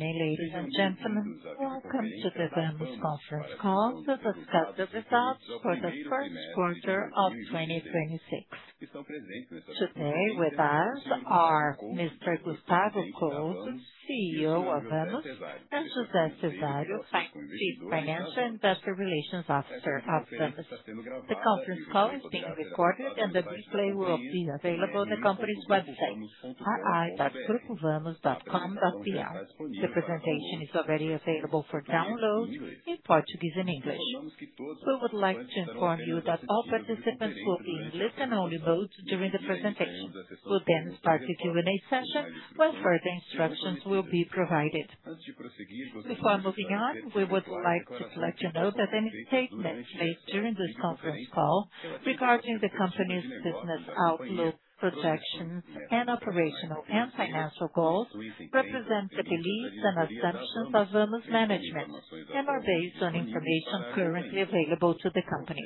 Morning, ladies and gentlemen. Welcome to the Vamos conference call to discuss the results for the first quarter of 2026. Today with us are Mr. Gustavo Couto, CEO of Vamos, and José Cezário, Chief Financial and Investor Relations Officer of Vamos. The conference call is being recorded and the replay will be available on the company's website, ri.grupovamos.com.br. The presentation is already available for download in Portuguese and English. We would like to inform you that all participants will be in listen-only mode during the presentation. We'll then start the Q&A session where further instructions will be provided. Before moving on, we would like to let you know that any statements made during this conference call regarding the company's business outlook, projections and operational and financial goals represent the beliefs and assumptions of Vamos management and are based on information currently available to the company.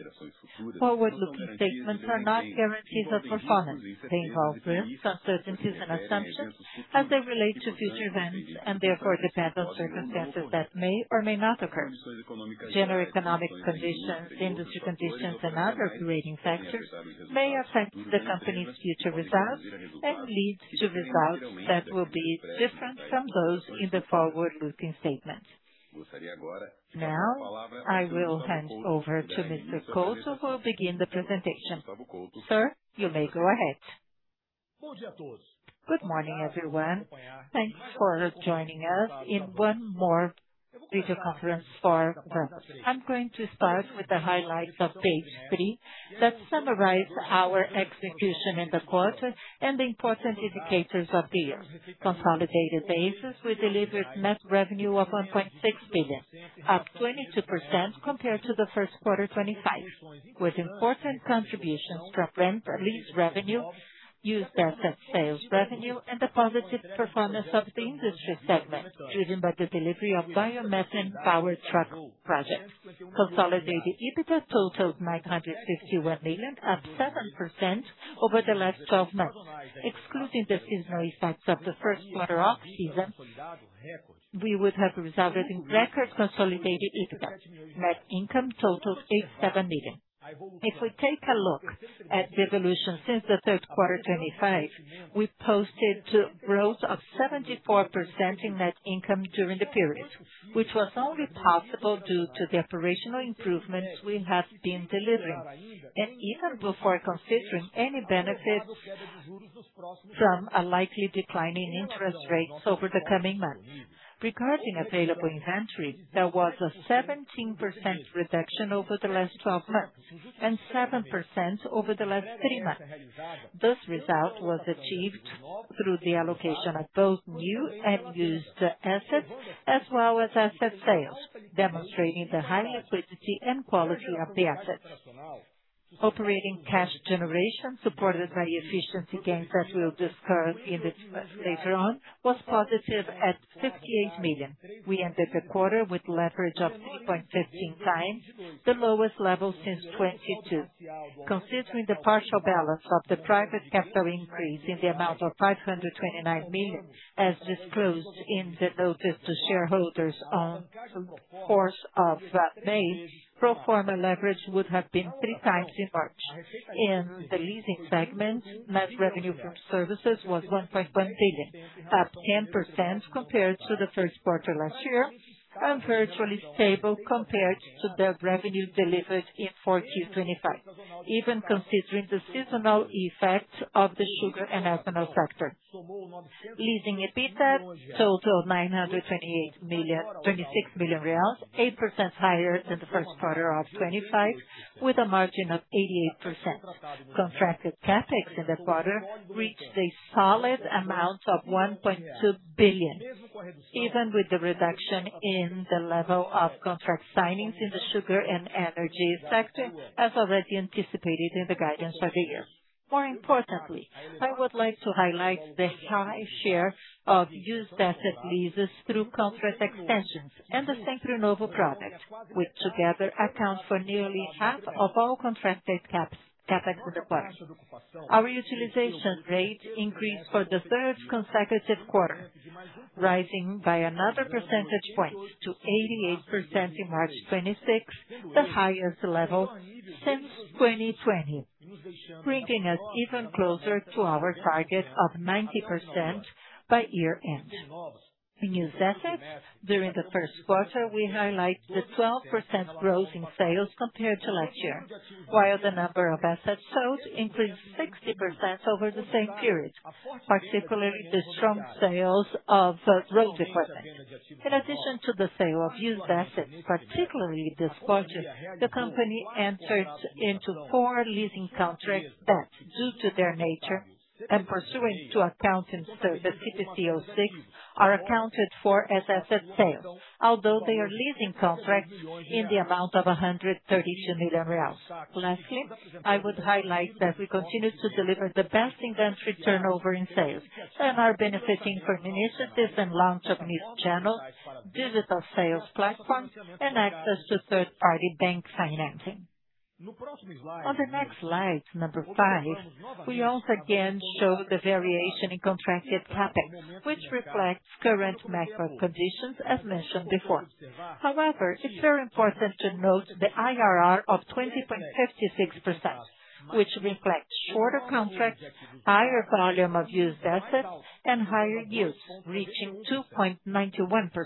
Forward-looking statements are not guarantees of performance. They involve risks, uncertainties and assumptions as they relate to future events and therefore depend on circumstances that may or may not occur. General economic conditions, industry conditions and other operating factors may affect the company's future results and lead to results that will be different from those in the forward-looking statement. Now, I will hand over to Mr. Couto, who will begin the presentation. Sir, you may go ahead. Good morning, everyone. Thanks for joining us in one more video conference for Vamos. I'm going to start with the highlights of page three that summarize our execution in the quarter and the important indicators of the year. Consolidated basis, we delivered net revenue of 1.6 billion, up 22% compared to the first quarter 2025, with important contributions from rent, lease revenue, used asset sales revenue, and the positive performance of the industry segment driven by the delivery of biomass and power truck projects. Consolidated EBITDA totaled 951 million, up 7% over the last 12 months. Excluding the seasonal effects of the first quarter off-season, we would have resulted in record consolidated EBITDA. Net income totaled 87 million. If we take a look at the evolution since the third quarter 2025, we posted to growth of 74% in Net income during the period, which was only possible due to the operational improvements we have been delivering. Even before considering any benefit from a likely decline in interest rates over the coming months. Regarding available inventory, there was a 17% reduction over the last 12 months and 7% over the last three months. This result was achieved through the allocation of both new and used assets as well as asset sales, demonstrating the high liquidity and quality of the assets. Operating cash generation supported by efficiency gains that we'll discuss later on was positive at 58 million. We ended the quarter with leverage of 3.15 times, the lowest level since 2022. Considering the partial balance of the private capital increase in the amount of 529 million, as disclosed in the notice to shareholders on course of May, pro forma leverage would have been three times in March. In the leasing segment, net revenue from services was 1.1 billion, up 10% compared to the first quarter last year and virtually stable compared to the revenue delivered in 4Q 2025. Even considering the seasonal effect of the sugar and ethanol sector. Leasing EBITDA totaled 926 million, 8% higher than the first quarter of 2025 with a margin of 88%. Contracted CapEx in the quarter reached a solid amount of 1.2 billion, even with the reduction in the level of contract signings in the sugar and energy sector, as already anticipated in the guidance of the year. I would like to highlight the high share of used asset leases through contract extensions and the Sempre Novo product, which together account for nearly half of all contracted CapEx in the quarter. Our utilization rate increased for the third consecutive quarter, rising by another percentage point to 88% in March 2026, the highest level since 2020, bringing us even closer to our target of 90% by year-end. In used assets, during the first quarter, we highlight the 12% growth in sales compared to last year, while the number of assets sold increased 60% over the same period, particularly the strong sales of road equipment. In addition to the sale of used assets, particularly this quarter, the company entered into four leasing contracts that, due to their nature and pursuant to accounting standard CPC 06, are accounted for as asset sale, although they are leasing contracts in the amount of 132 million reais. Lastly, I would highlight that we continue to deliver the best inventory turnover in sales and are benefiting from initiatives and launch of new channels, digital sales platforms and access to third-party bank financing. On the next slide, number five, we also again show the variation in contracted CapEx, which reflects current macro conditions as mentioned before. However, it's very important to note the IRR of 20.56%, which reflects shorter contracts, higher volume of used assets and higher yields reaching 2.91%.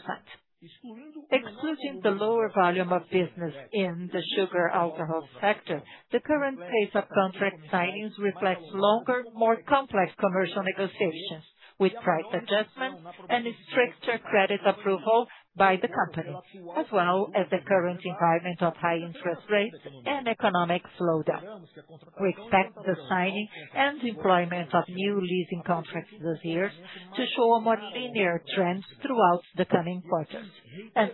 Excluding the lower volume of business in the sugar alcohol sector, the current pace of contract signings reflects longer, more complex commercial negotiations with price adjustments and stricter credit approval by the company, as well as the current environment of high interest rates and economic slowdown. We expect the signing and deployment of new leasing contracts this year to show a more linear trend throughout the coming quarters.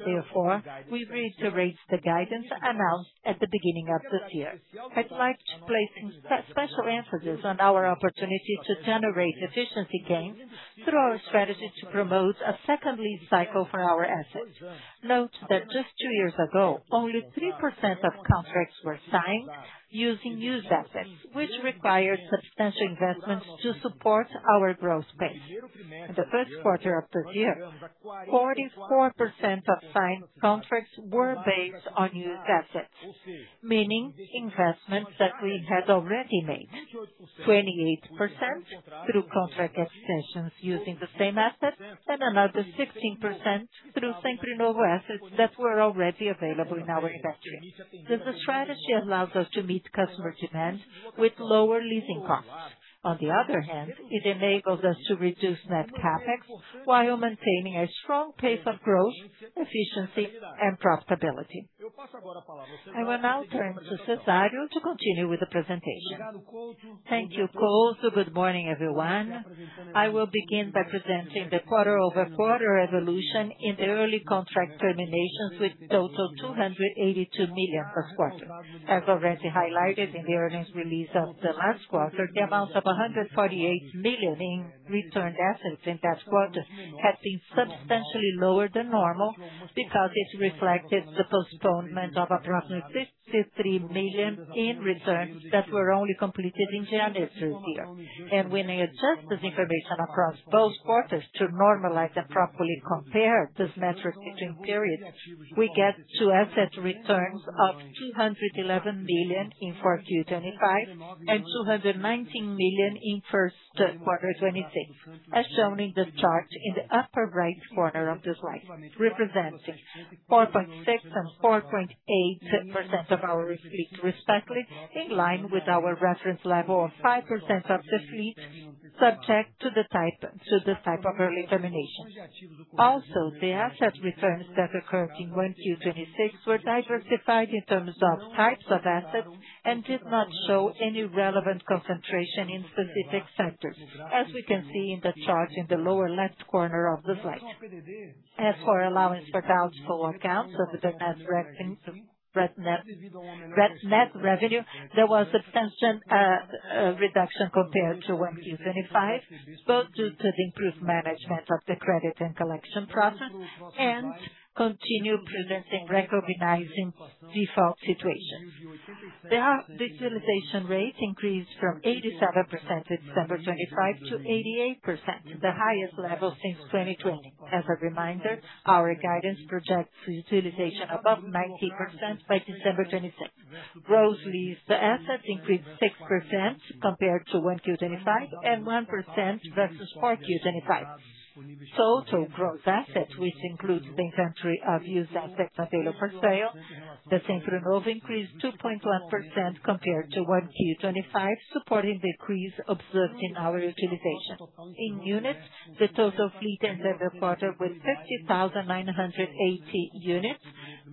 Therefore, we reiterate the guidance announced at the beginning of this year. I'd like to place special emphasis on our opportunity to generate efficiency gains through our strategy to promote a second lease cycle for our assets. Note that just two years ago, only 3% of contracts were signed using used assets, which required substantial investments to support our growth pace. In the first quarter of this year, 44% of signed contracts were based on used assets, meaning investments that we had already made. 28% through contract extensions using the same assets and another 16% through Sempre Novo assets that were already available in our factory. This strategy allows us to meet customer demand with lower leasing costs. On the other hand, it enables us to reduce net CapEx while maintaining a strong pace of growth, efficiency and profitability. I will now turn to Cezário to continue with the presentation. Thank you, Couto. Good morning, everyone. I will begin by presenting the quarter-over-quarter evolution in the early contract terminations with total 282 million per quarter. As already highlighted in the earnings release of the last quarter, the amount of 148 million in returned assets in that quarter had been substantially lower than normal because it reflected the postponement of approximately 53 million in returns that were only completed in January this year. When we adjust this information across both quarters to normalize and properly compare this metric between periods, we get to asset returns of 211 million in 4Q 2025 and 219 million in 1Q 2026, as shown in the chart in the upper right corner of the slide, representing 4.6% and 4.8% of our fleet respectively, in line with our reference level of 5% of the fleet subject to the type, to this type of early termination. Also, the asset returns that occurred in 1Q 2026 were diversified in terms of types of assets and did not show any relevant concentration in specific sectors, as we can see in the chart in the lower left corner of the slide. As for allowance for doubtful accounts of the net revenue, there was substantial reduction compared to 1Q 2025, both due to the improved management of the credit and collection process and continued preventively recognizing default situations. The utilization rate increased from 87% in December 2025 to 88%, the highest level since 2020. As a reminder, our guidance projects utilization above 90% by December 2026. Gross leased assets increased 6% compared to 1Q 2025 and 1% versus 4Q 2025. Total gross assets, which includes the inventory of used assets available for sale, the Sempre Novo increased 2.1% compared to 1Q 2025, supporting the increase observed in our utilization. In units, the total fleet ended the quarter with 50,980 units,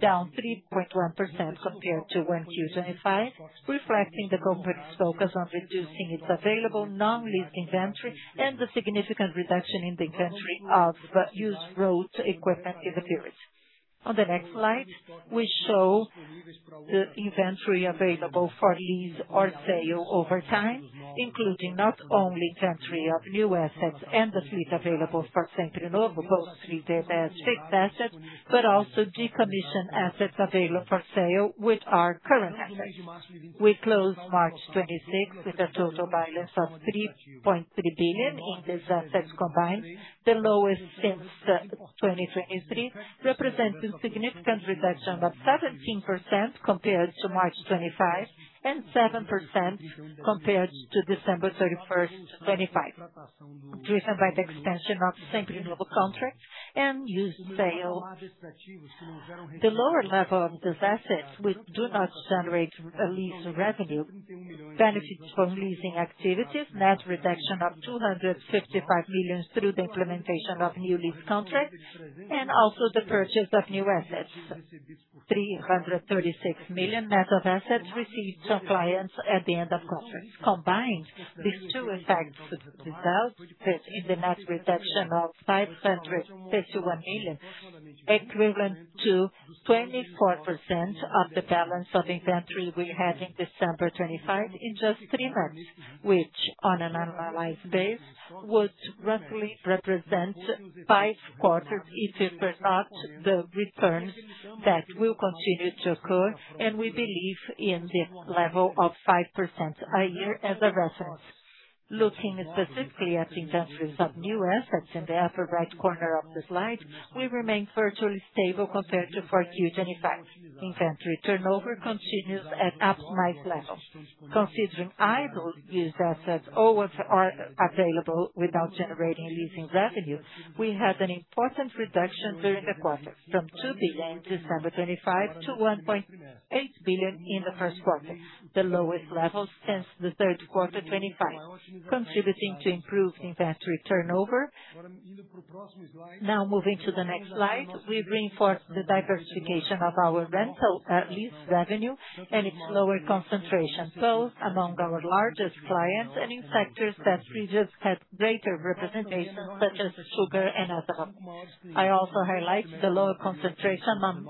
down 3.1% compared to 1Q 2025, reflecting the company's focus on reducing its available non-lease inventory and the significant reduction in the inventory of used road equipment in the period. On the next slide, we show the inventory available for lease or sale over time, including not only inventory of new assets and the fleet available for Sempre Novo, both fleet and asset, but also decommissioned assets available for sale with our current assets. We closed March 2026 with a total balance of 3.3 billion in these assets combined, the lowest since 2023, representing significant reduction of 17% compared to March 2025 and 7% compared to December 31, 2025. Driven by the expansion of Sempre Novo contract and used sale. The lower level of these assets, which do not generate a lease revenue, benefits from leasing activities, net reduction of 255 million through the implementation of new lease contracts and also the purchase of new assets. 336 million net of assets received from clients at the end of contract. Combined, these two effects result in the net reduction of 531 million, equivalent to 24% of the balance of inventory we had in December 2025 in just three months, which on an annualized base would roughly represent five quarters if it were not the returns that will continue to occur, and we believe in the level of 5% a year as a reference. Looking specifically at the inventory of new assets in the upper right corner of the slide, we remain virtually stable compared to 4Q 2025. Inventory turnover continues at optimized levels. Considering idle used assets always are available without generating leasing revenue, we had an important reduction during the quarter from 2 billion December 2025 to 1.8 billion in the 1st quarter, the lowest level since the third quarter 2025, contributing to improved inventory turnover. Moving to the next slide. We reinforce the diversification of our rental, lease revenue and its lower concentration, both among our largest clients and in sectors that previously had greater representation, such as sugar and alcohol. I also highlight the lower concentration among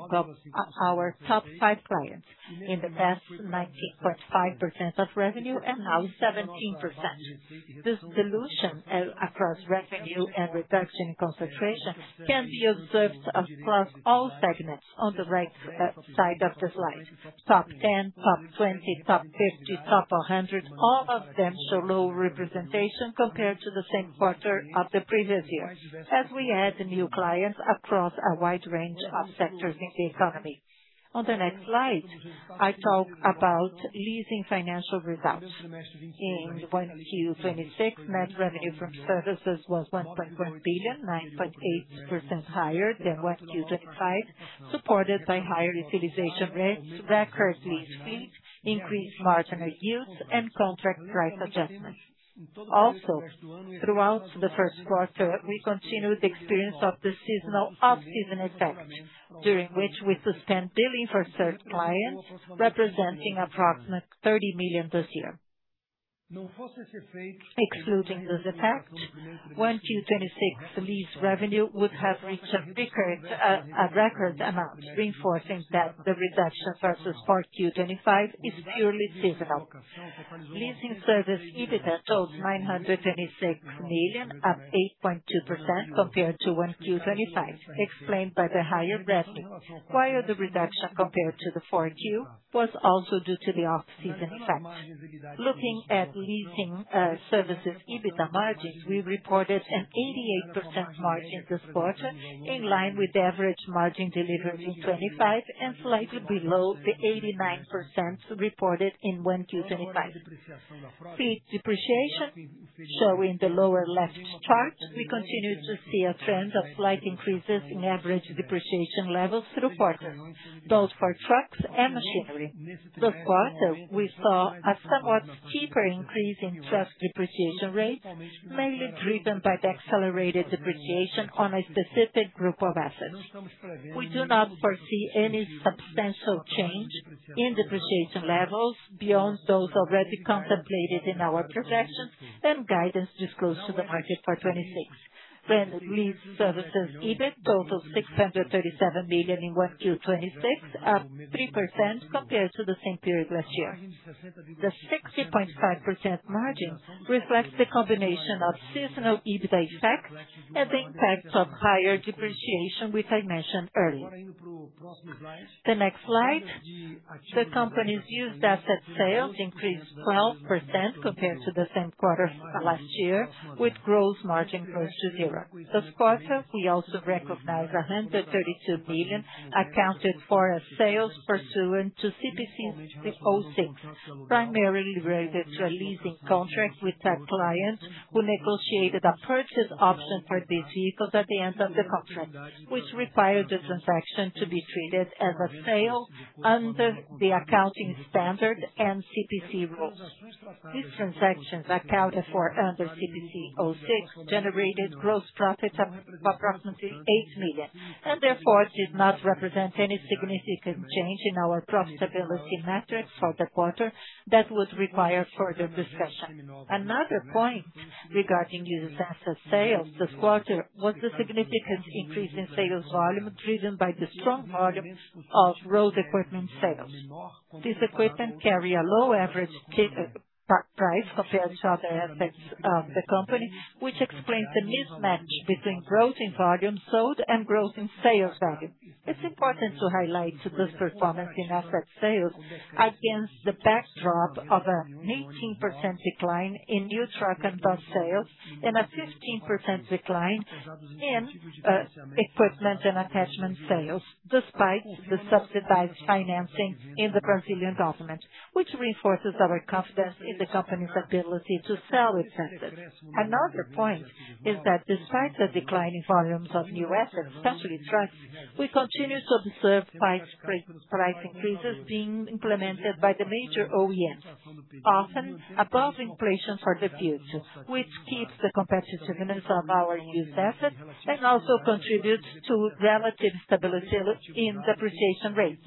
our top five clients. In the past, 90.5% of revenue and now 17%. This dilution across revenue and reduction in concentration can be observed across all segments on the right side of the slide. Top 10, top 20, top 50, top 100, all of them show low representation compared to the same quarter of the previous year, as we add new clients across a wide range of sectors in the economy. On the next slide, I talk about leasing financial results. In 1Q 2026, net revenue from services was 1.1 billion, 9.8% higher than 1Q 2025, supported by higher utilization rates, record lease fees, increased marginal yields and contract price adjustments. Throughout the first quarter, we continued the experience of the seasonal off-season effect, during which we suspend billing for certain clients, representing approximate 30 million this year. Excluding this effect, 1Q 2026 lease revenue would have reached a record amount, reinforcing that the reduction versus 4Q 2025 is purely seasonal. Leasing service EBITDA totaled 986 million, up 8.2% compared to 1Q 2025, explained by the higher revenue. The reduction compared to the 4Q was also due to the off-season effect. Looking at leasing services EBITDA margins, we reported an 88% margin this quarter, in line with average margin delivered in 2025 and slightly below the 89% reported in 1Q 2025. Fleet depreciation. Shown in the lower left chart, we continue to see a trend of slight increases in average depreciation levels through quarter, both for trucks and machinery. This quarter, we saw a somewhat steeper increase in truck depreciation rates, mainly driven by the accelerated depreciation on a specific group of assets. We do not foresee any substantial change in depreciation levels beyond those already contemplated in our projections and guidance disclosed to the market for 2026. Rented lease services EBIT totaled 637 million in 1Q 2026, up 3% compared to the same period last year. The 60.5% margin reflects the combination of seasonal EBITDA effects and the impact of higher depreciation, which I mentioned earlier. The next slide. The company's used asset sales increased 12% compared to the same quarter last year, with gross margin close to zero. This quarter, we also recognized 132 million accounted for as sales pursuant to CPC 06, primarily related to a leasing contract with that client who negotiated a purchase option for these vehicles at the end of the contract, which required the transaction to be treated as a sale under the accounting standard and CPC rules. These transactions accounted for under CPC 06 generated gross profits of approximately 8 million, and therefore did not represent any significant change in our profitability metrics for the quarter that would require further discussion. Another point regarding used asset sales this quarter was the significant increase in sales volume driven by the strong volume of road equipment sales. This equipment carry a low average price compared to other assets of the company, which explains the mismatch between growth in volume sold and growth in sales value. It's important to highlight this performance in asset sales against the backdrop of a 19% decline in new truck and bus sales and a 15% decline in equipment and attachment sales, despite the subsidized financing in the Brazilian Government, which reinforces our confidence in the company's ability to sell its assets. Another point is that despite the decline in volumes of new assets, especially trucks, we continue to observe price increases being implemented by the major OEMs, often above inflation for the future, which keeps the competitiveness of our used assets and also contributes to relative stability in depreciation rates,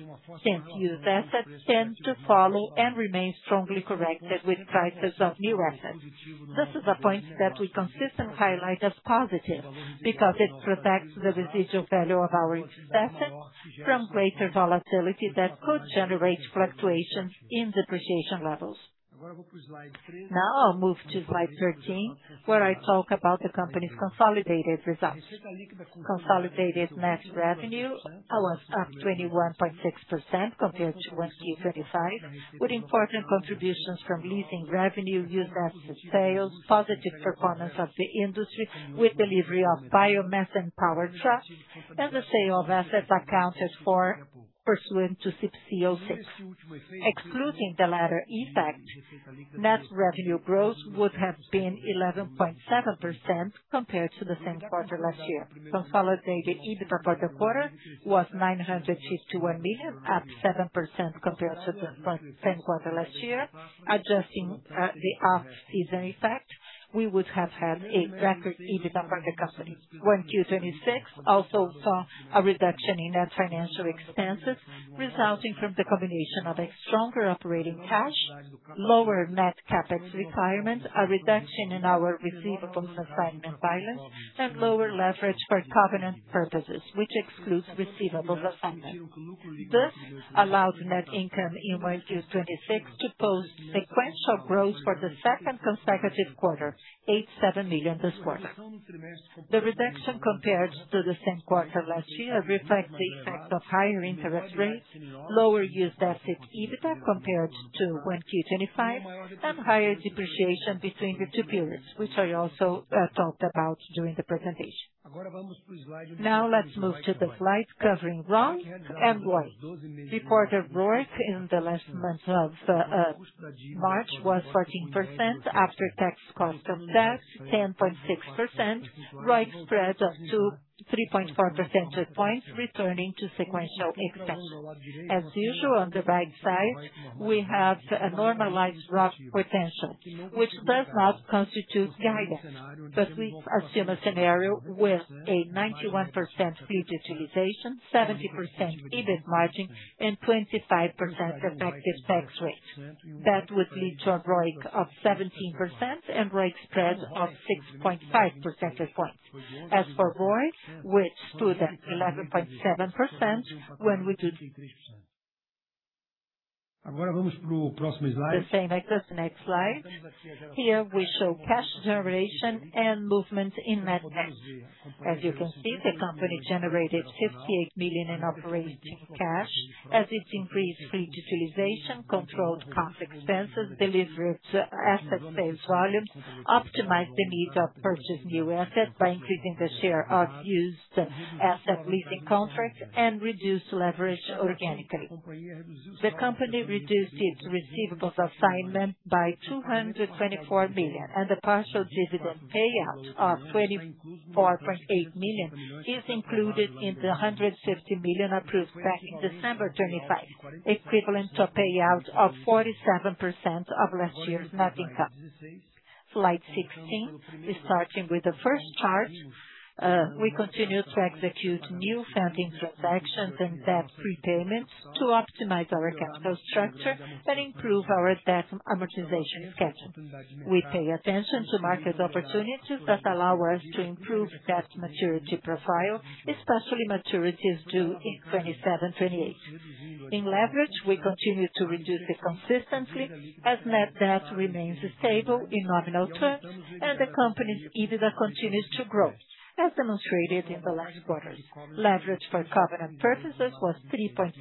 since used assets tend to follow and remain strongly correlated with prices of new assets. This is a point that we consistently highlight as positive because it protects the residual value of our used assets from greater volatility that could generate fluctuations in depreciation levels. Now I'll move to slide 13, where I talk about the company's consolidated results. Consolidated net revenue was up 21.6% compared to 1Q 2025, with important contributions from leasing revenue, used assets sales, positive performance of the industry with delivery of biomass and power trucks, and the sale of assets accounted for pursuant to CPC 06. Excluding the latter effect, net revenue growth would have been 11.7% compared to the same quarter last year. Consolidated EBITDA for the quarter was 951 million, up 7% compared to the same quarter last year. Adjusting the off-season effect, we would have had a record EBITDA for the company. 1Q 2026 also saw a reduction in net financial expenses resulting from the combination of a stronger operating cash, lower Net CapEx requirement, a reduction in our receivables assignment balance, and lower leverage for covenant purposes, which excludes receivables assignment. This allowed net income in 1Q 2026 to post sequential growth for the second consecutive quarter, 87 million this quarter. The reduction compared to the same quarter last year reflects the effect of higher interest rates, lower used asset EBITDA compared to 1Q 2025, and higher depreciation between the two periods, which I also talked about during the presentation. Let's move to the slides covering ROIC and ROE. Reported ROIC in the last month of March was 14% after tax cost of debt 10.6%. ROIC spread up to 3.4 percentage points, returning to sequential expansion. As usual, on the right side, we have a normalized ROIC potential, which does not constitute guidance. We assume a scenario with a 91% fleet utilization, 70% EBIT margin, and 25% effective tax rate. That would lead to a ROIC of 17% and ROIC spread of 6.5 percentage points. As for ROE, which stood at 11.7% when we do the same exercise. Next slide. Here we show cash generation and movement in net debt. As you can see, the company generated 58 million in operating cash as it increased fleet utilization, controlled cost expenses, delivered asset sales volumes, optimized the need of purchasing new assets by increasing the share of used asset leasing contracts, and reduced leverage organically. The company reduced its receivables assignment by 224 million, and the partial dividend payout of 24.8 million is included in the 150 million approved back in December 2025, equivalent to a payout of 47% of last year's net income. Slide 16. Starting with the first chart, we continue to execute new funding transactions and debt repayments to optimize our capital structure and improve our debt amortization schedule. We pay attention to market opportunities that allow us to improve debt maturity profile, especially maturities due in 2027, 2028. In leverage, we continue to reduce it consistently as net debt remains stable in nominal terms, and the company's EBITDA continues to grow, as demonstrated in the last quarters. Leverage for covenant purposes was 3.15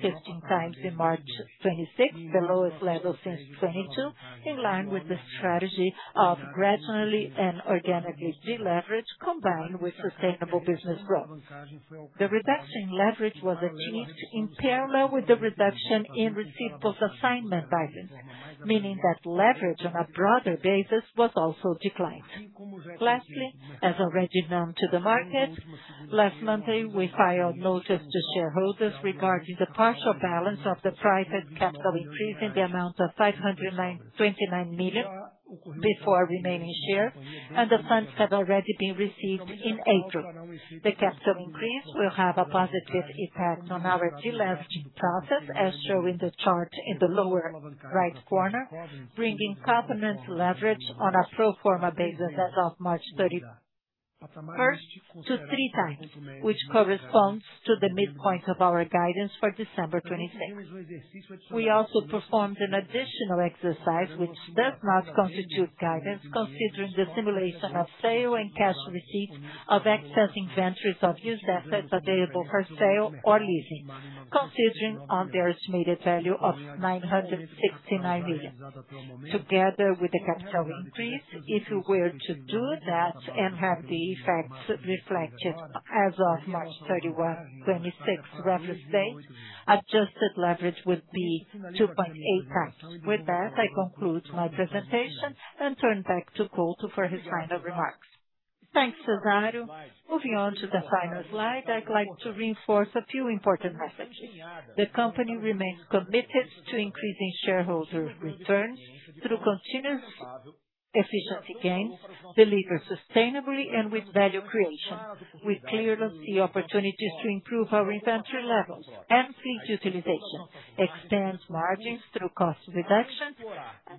times in March 2026, the lowest level since 2022, in line with the strategy of gradually and organically deleverage combined with sustainable business growth. The reduction in leverage was achieved in parallel with the reduction in receivables assignment balance, meaning that leverage on a broader basis was also declined. Lastly, as already known to the market, last Monday we filed notice to shareholders regarding the partial balance of the private capital increase in the amount of 529 million before remaining share, and the funds have already been received in April. The capital increase will have a positive impact on our deleveraging process, as shown in the chart in the lower right corner, bringing covenant leverage on a pro forma basis as of March 31st to three times, which corresponds to the midpoint of our guidance for December 2026. We also performed an additional exercise which does not constitute guidance considering the simulation of sale and cash receipt of excess inventories of used assets available for sale or leasing, considering on their estimated value of 969 million. Together with the capital increase, if you were to do that and have the effects reflected as of March 31, 2026 reference date, adjusted leverage would be 2.8 times. I conclude my presentation and turn back to Gustavo Couto for his final remarks. Thanks, José Cezário. Moving on to the final slide, I'd like to reinforce a few important messages. The company remains committed to increasing shareholder returns through continuous efficiency gains delivered sustainably and with value creation. We clearly see opportunities to improve our inventory levels and fleet utilization, expand margins through cost reduction.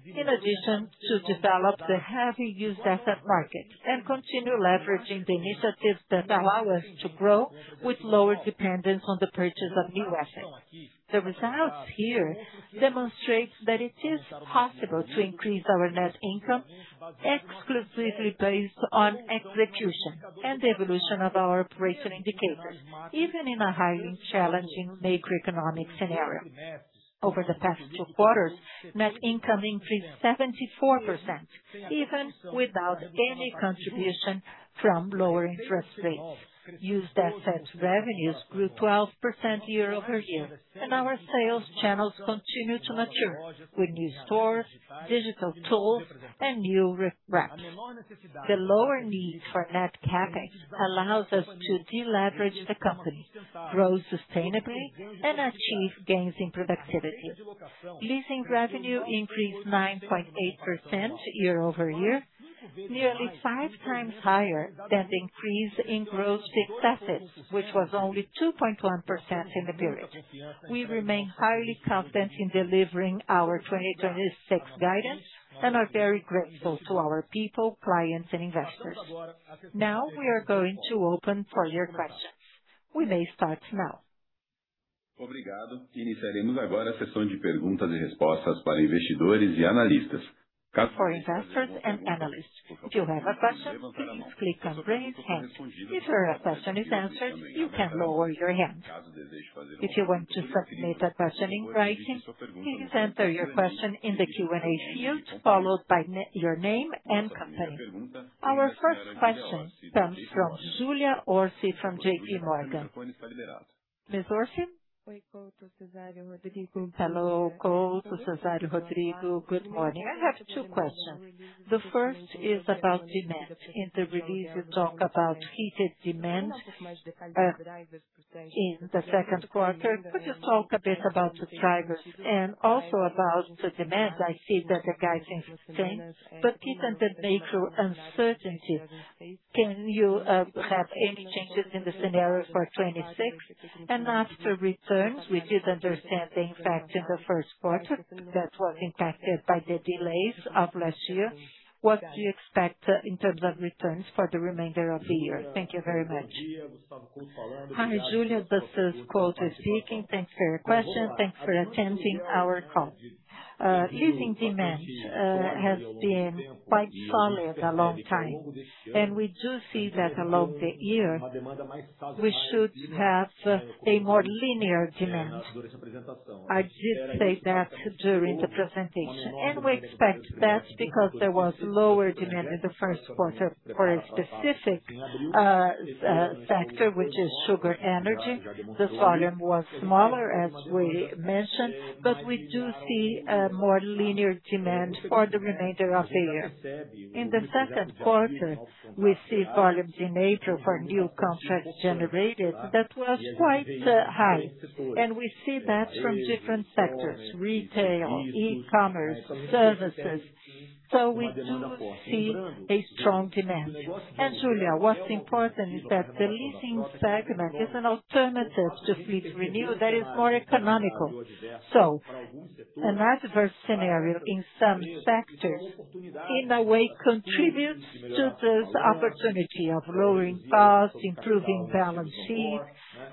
In addition to develop the heavy used asset market and continue leveraging the initiatives that allow us to grow with lower dependence on the purchase of new assets. The results here demonstrate that it is possible to increase our net income exclusively based on execution and evolution of our operation indicators, even in a highly challenging macroeconomic scenario. Over the past two quarters, net income increased 74%, even without any contribution from lower interest rates. Used assets revenues grew 12% year-over-year. Our sales channels continue to mature with new stores, digital tools and new sales reps. The lower need for Net CapEx allows us to deleverage the company, grow sustainably and achieve gains in productivity. Leasing revenue increased 9.8% year-over-year, nearly five times higher than the increase in gross fixed assets, which was only 2.1% in the period. We remain highly confident in delivering our 2026 guidance and are very grateful to our people, clients and investors. Now we are going to open for your questions. We may start now. For investors and analysts. If you have a question, please click on Raise Hand. If your question is answered, you can lower your hand. If you want to submit a question in writing, please enter your question in the Q&A field, followed by your name and company. Our first question comes from Julia Orsi from JPMorgan. Ms. Orsi. Hello, Couto, Cezário, Rodrigo. Good morning. I have two questions. The first is about demand. In the release you talk about heated demand in the second quarter. Could you talk a bit about the drivers and also about the demand? I see that the guidance is the same. Given the macro uncertainty, can you have any changes in the scenario for 2026? As for returns, we did understand the impact in the first quarter that was impacted by the delays of last year. What do you expect in terms of returns for the remainder of the year? Thank you very much. Hi, Julia. This is Couto speaking. Thanks for your question. Thanks for attending our call. Leasing demand has been quite solid a long time, and we do see that along the year we should have a more linear demand. I did say that during the presentation, and we expect that because there was lower demand in the first quarter for a specific factor, which is sugar energy. The volume was smaller, as we mentioned, but we do see a more linear demand for the remainder of the year. In the second quarter, we see volume in April for new contracts generated that was quite high. We see that from different sectors, retail, e-commerce, services. We do see a strong demand. Julia, what's important is that the leasing segment is an alternative to fleet renewal that is more economical. An adverse scenario in some sectors, in a way, contributes to this opportunity of lowering costs, improving balance sheet,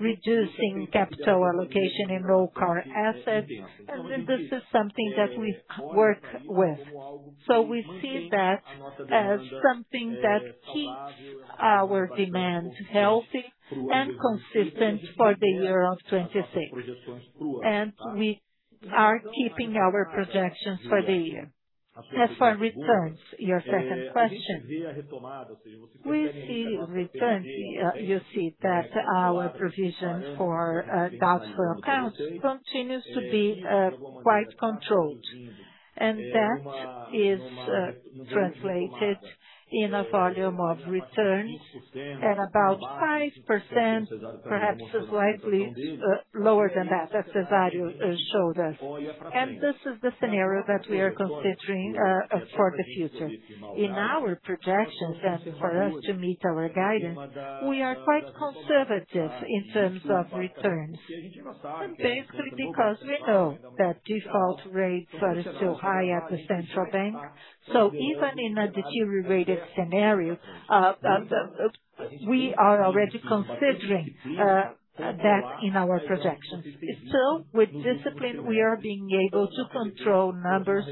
reducing capital allocation in low CapEx assets. This is something that we work with. We see that as something that keeps our demand healthy and consistent for the year of 2026. We are keeping our projections for the year. As for returns, your second question. We see returns. You see that our provision for doubtful accounts continues to be quite controlled, and that is translated in a volume of returns at about 5%, perhaps slightly lower than that as José Cezário showed us. This is the scenario that we are considering for the future. In our projections and for us to meet our guidance, we are quite conservative in terms of returns. Basically because we know that default rates are still high at the central bank. Even in a deteriorated scenario, we are already considering that in our projections. Still, with discipline, we are being able to control numbers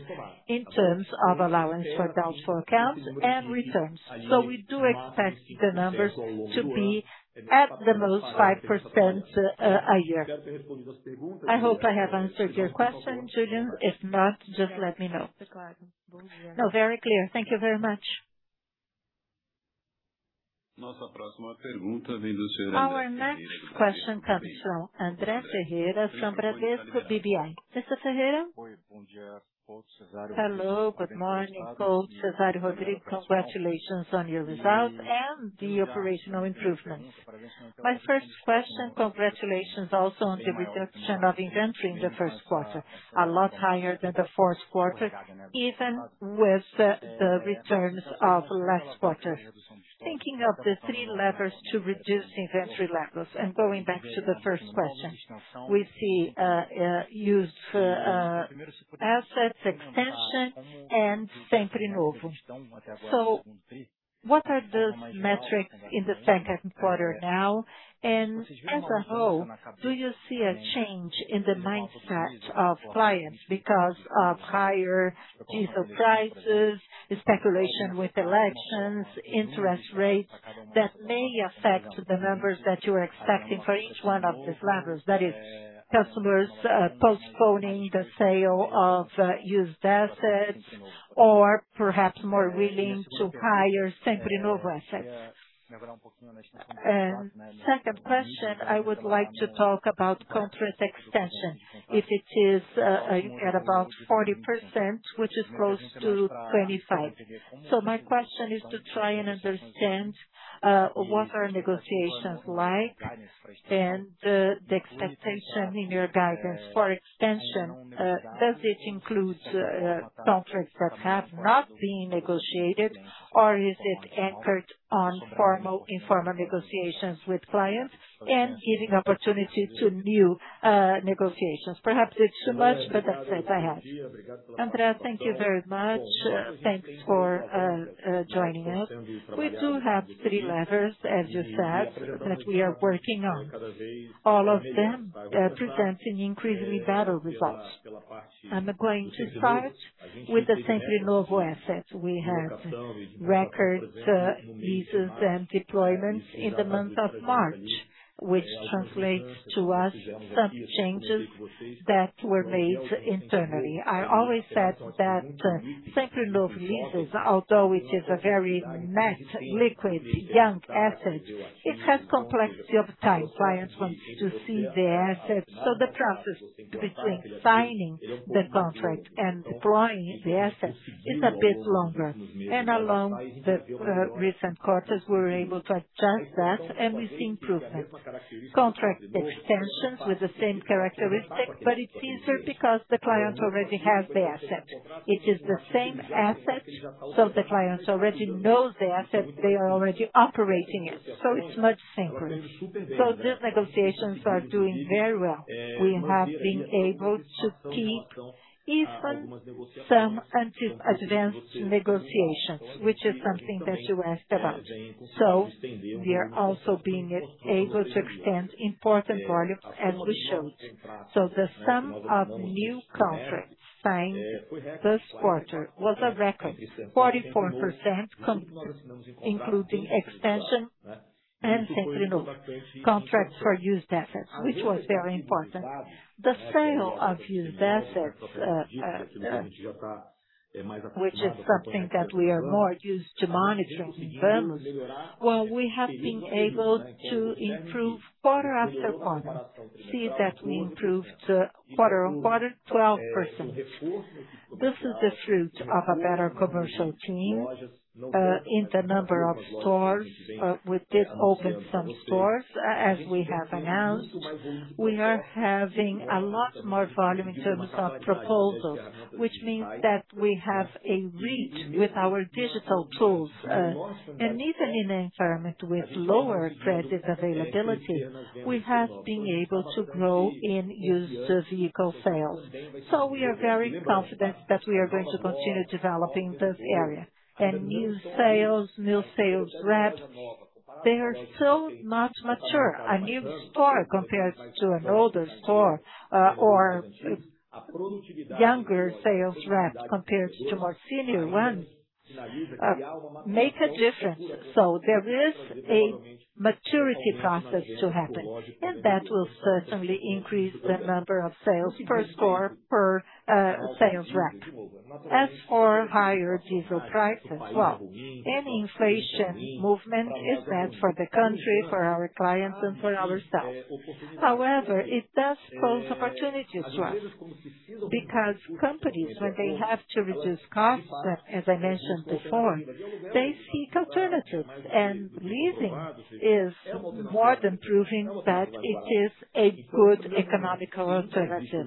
in terms of allowance for doubtful accounts and returns. We do expect the numbers to be at the most 5% a year. I hope I have answered your question, Julia Orsi. If not, just let me know. No, very clear. Thank you very much. Our next question comes from Andre Ferreira from Bradesco BBI. Mr. Ferreira. Hello. Good morning, Couto, Cezário, Rodrigo. Congratulations on your results and the operational improvements. My first question, congratulations also on the reduction of inventory in the first quarter, a lot higher than the fourth quarter, even with the returns of last quarter. Thinking of the three levers to reduce inventory levels and going back to the first question. We see used assets extension and Sempre Novo. What are the metrics in the second quarter now? As a whole, do you see a change in the mindset of clients because of higher diesel prices, speculation with elections, interest rates that may affect the numbers that you are expecting for each one of these levers? That is customers postponing the sale of used assets or perhaps more willing to hire Sempre Novo assets. Second question, I would like to talk about contract extension, if it is, you get about 40%, which is close to 25%. My question is to try and understand what are negotiations like and the expectation in your guidance for extension. Does it include contracts that have not been negotiated, or is it anchored on informal negotiations with clients and giving opportunity to new negotiations? Perhaps it's too much, but that's it I have. Andre, thank you very much. Thanks for joining us. We do have three levers, as you said, that we are working on. All of them presenting increasingly better results. I'm going to start with the Sempre Novo assets. We have record leases and deployments in the month of March, which translates to us some changes that were made internally. I always said that Sempre Novo leases, although it is a very net liquid young asset, it has complexity of time. Clients want to see the asset, the process between signing the contract and deploying the asset is a bit longer. Along the recent quarters, we were able to adjust that and we see improvement. Contract extensions with the same characteristics, it's easier because the clients already have the asset. It is the same asset, the clients already know the asset. They are already operating it's much simpler. These negotiations are doing very well. We have been able to keep even some in-advance negotiations, which is something that you asked about. We are also being able to extend important volumes as we showed. The sum of new contracts signed this quarter was a record 44% including extension and Sempre Novo contracts for used assets, which was very important. The sale of used assets, which is something that we are more used to monitoring internally. Well, we have been able to improve quarter after quarter. See that we improved quarter-on-quarter 12%. This is the fruit of a better commercial team in the number of stores. We did open some stores, as we have announced. We are having a lot more volume in terms of proposals, which means that we have a reach with our digital tools. Even in an environment with lower credit availability, we have been able to grow in used vehicle sales. We are very confident that we are going to continue developing this area. New sales, new sales reps, they are so much mature. A new store compared to an older store, or younger sales rep compared to more senior ones, make a difference. There is a maturity process to happen, and that will certainly increase the number of sales per store, per sales rep. As for higher diesel price as well, any inflation movement is bad for the country, for our clients and for ourselves. However, it does pose opportunities to us because companies, when they have to reduce costs, as I mentioned before, they seek alternatives, and leasing is more than proving that it is a good economical alternative.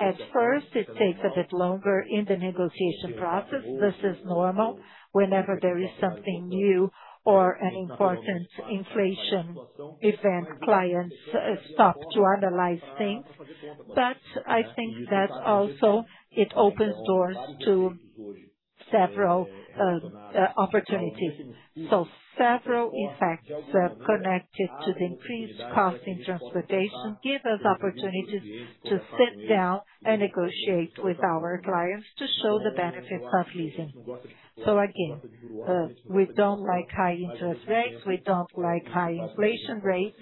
At first, it takes a bit longer in the negotiation process. This is normal. Whenever there is something new or an important inflation event, clients stop to analyze things. I think that also it opens doors to several opportunities. Several effects connected to the increased cost in transportation give us opportunities to sit down and negotiate with our clients to show the benefits of leasing. Again, we don't like high interest rates, we don't like high inflation rates,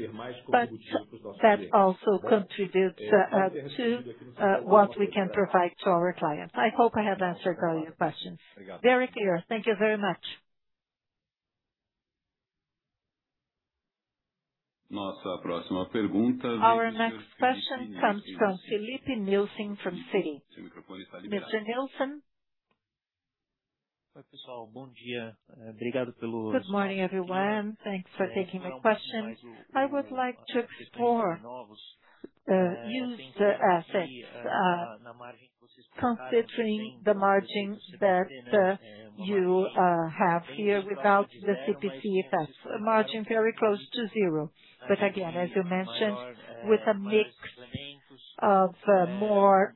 but that also contributes to what we can provide to our clients. I hope I have answered all your questions. Very clear. Thank you very much. Our next question comes from Filipe Nielsen from Citi. Mr. Nielsen. Good morning, everyone. Thanks for taking my question. I would like to explore- Used assets, considering the margins that you have here without the CPC effects. A margin very close to zero. Again, as you mentioned, with a mix of more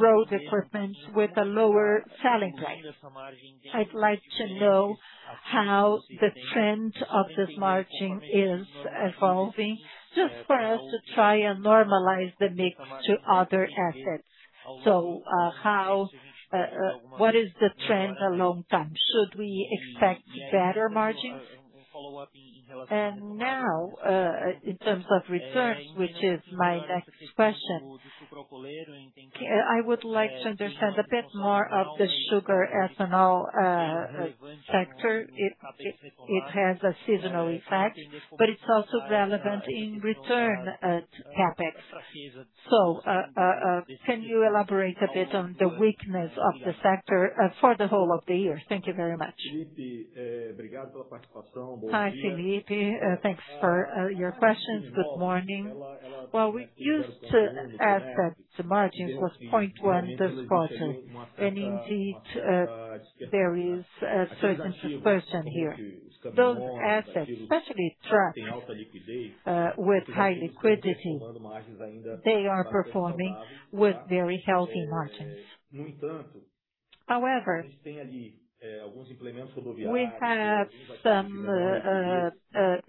road equipment with a lower selling price. I'd like to know how the trend of this margin is evolving, just for us to try and normalize the mix to other assets. How, what is the trend a long time? Should we expect better margins? Now, in terms of return, which is my next question, I would like to understand a bit more of the sugar ethanol sector. It has a seasonal effect, but it's also relevant in return to CapEx. Can you elaborate a bit on the weakness of the sector for the whole of the year? Thank you very much. Hi, Filipe. Thanks for your questions. Good morning. Well, we used to add that the margins was 0.1 this quarter. Indeed, there is a certain dispersion here. Those assets, especially truck, with high liquidity, they are performing with very healthy margins. However, we have some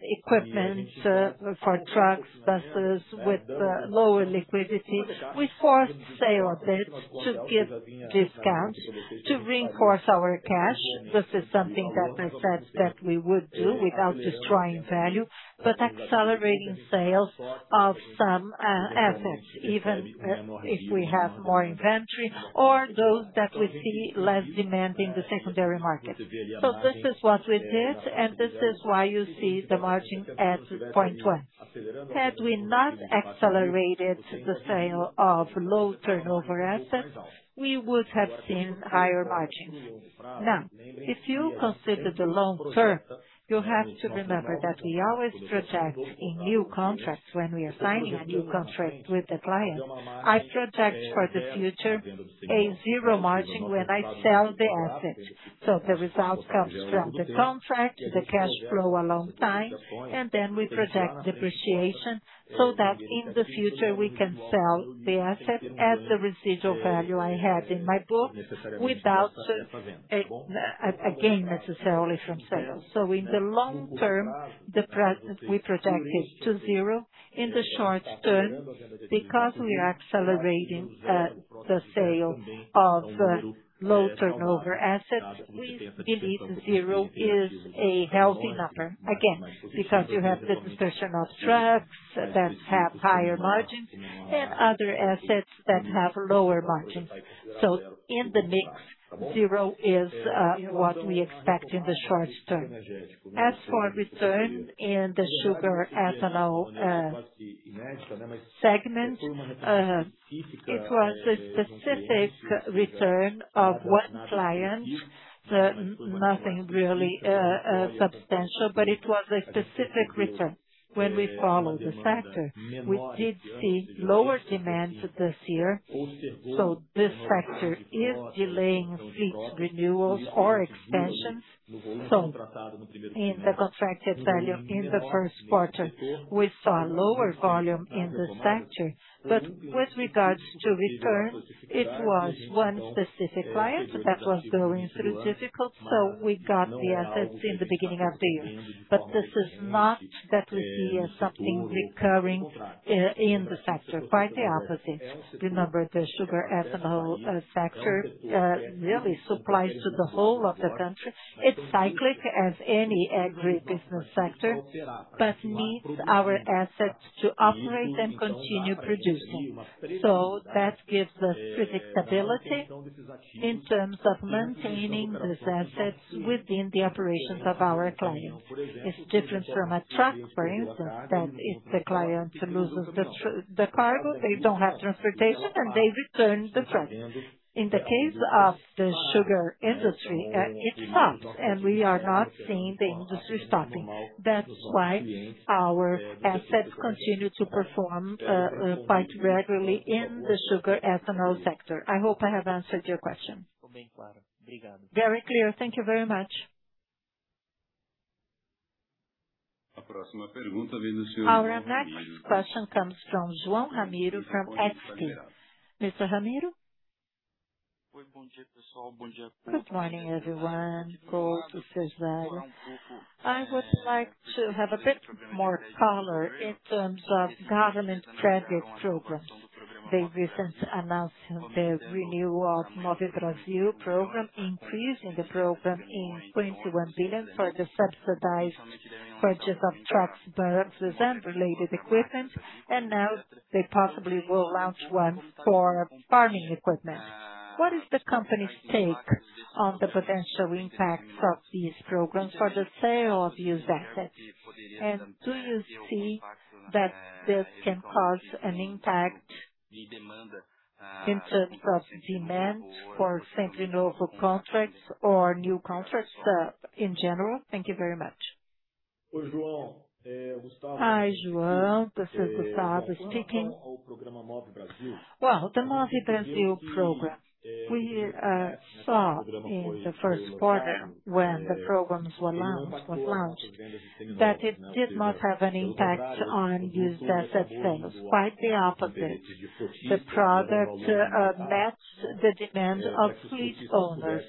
equipment for trucks, buses with lower liquidity. We forced sale of it to give discounts to reinforce our cash. This is something that I said that we would do without destroying value, but accelerating sales of some assets, even if we have more inventory or those that we see less demand in the secondary market. This is what we did, and this is why you see the margin at 0.1. Had we not accelerated the sale of low turnover assets, we would have seen higher margins. If you consider the long term, you have to remember that we always project in new contracts. When we are signing a new contract with the client, I project for the future a zero margin when I sell the asset. The results comes from the contract, the cash flow along time, and then we project depreciation, so that in the future we can sell the asset as the residual value I have in my book without a gain necessarily from sales. In the long term, we project it to zero. In the short term, because we are accelerating the sale of low turnover assets, we believe zero is a healthy number, again, because you have this dispersion of trucks that have higher margins and other assets that have lower margins. In the mix, zero is what we expect in the short term. As for return in the sugar ethanol segment, it was a specific return of one client. Nothing really substantial, but it was a specific return. When we follow the sector, we did see lower demand this year, so this factor is delaying fleet renewals or expansions. In the contracted value in the first quarter, we saw a lower volume in the sector. With regards to return, it was one specific client that was going through difficult, so we got the assets in the beginning of the year. This is not that we see as something recurring in the sector, quite the opposite. Remember, the sugar ethanol sector really supplies to the whole of the country. It's cyclic as any agribusiness sector, but needs our assets to operate and continue producing. That gives us predictability in terms of maintaining these assets within the operations of our clients. It's different from a truck, for instance, that if the client loses the cargo, they don't have transportation and they return the truck. In the case of the sugar industry, it's not, and we are not seeing the industry stopping. That's why our assets continue to perform quite regularly in the sugar ethanol sector. I hope I have answered your question. Very clear. Thank you very much. Our next question comes from João Ramiro from XP. Mr. Ramiro? Good morning, everyone. Good to José Cezário. I would like to have a bit more color in terms of government credit programs. They recent announced the renewal of Mover Brasil program, increasing the program in 21 billion for the subsidized purchase of trucks, buses, and related equipment. Now they possibly will launch one for farming equipment. What is the company's take on the potential impact of these programs for the sale of used assets? Do you see that this can cause an impact in terms of demand for Sempre Novo contracts or new contracts in general. Thank you very much. Hi, João. This is Gustavo speaking. Well, the Mover Brasil program, we saw in the first quarter when the programs was launched, that it did not have any impact on used assets sales, quite the opposite. The product matched the demand of fleet owners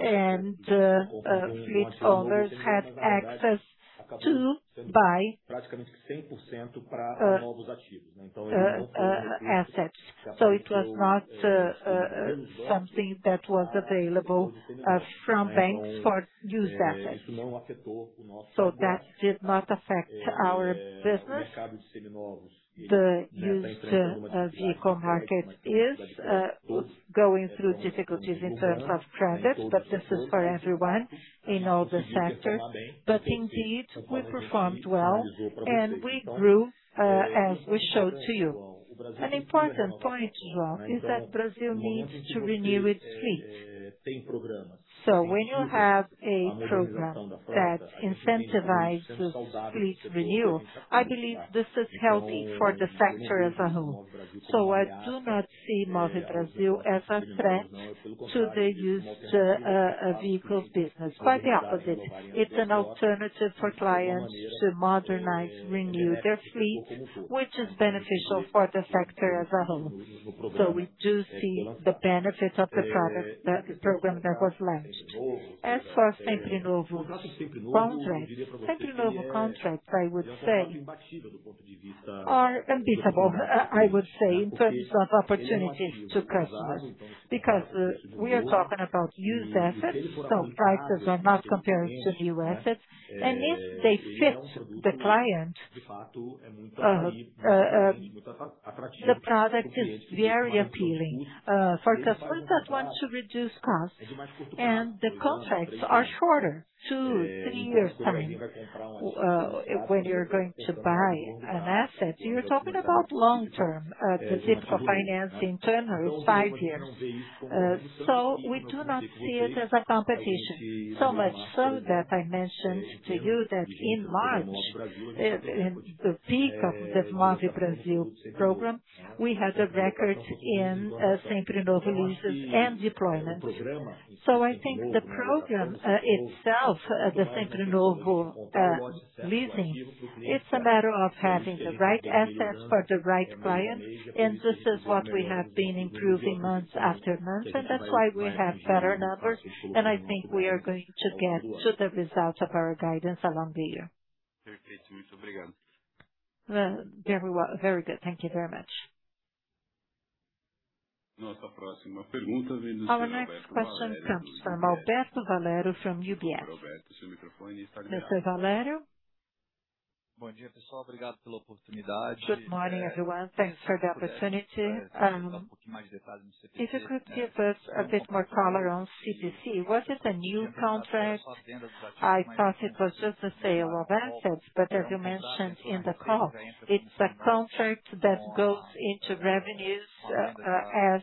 and fleet owners had access to buy assets. It was not something that was available from banks for used assets. That did not affect our business. The used vehicle market is going through difficulties in terms of credit, but this is for everyone in all the sector. Indeed, we performed well and we grew as we showed to you. An important point, João, is that Brazil needs to renew its fleet. When you have a program that incentivizes fleet renewal, I believe this is healthy for the sector as a whole. I do not see Mover Brasil as a threat to the used vehicles business. Quite the opposite. It's an alternative for clients to modernize, renew their fleet, which is beneficial for the sector as a whole. We do see the benefit of the program that was launched. As for Sempre Novo contracts, I would say, are unbeatable, I would say, in terms of opportunities to customers. We are talking about used assets, so prices are not compared to new assets. If they fit the client, the product is very appealing for customers that want to reduce costs and the contracts are shorter, two, three years. I mean, when you're going to buy an asset, you're talking about long-term, specific financing term of five years. We do not see it as a competition. So much so that I mentioned to you that in March, the peak of the Mover Brasil program, we had a record in Sempre Novo leases and deployments. I think the program itself, the Sempre Novo leasing, it's a matter of having the right assets for the right client, and this is what we have been improving months after months. That's why we have better numbers, and I think we are going to get to the results of our guidance along the year. Very well. Very good. Thank you very much. Our next question comes from Alberto Valerio from UBS. Mr. Valerio. Good morning, everyone. Thanks for the opportunity. If you could give us a bit more color on CPC. Was it a new contract? I thought it was just a sale of assets. As you mentioned in the call, it's a contract that goes into revenues as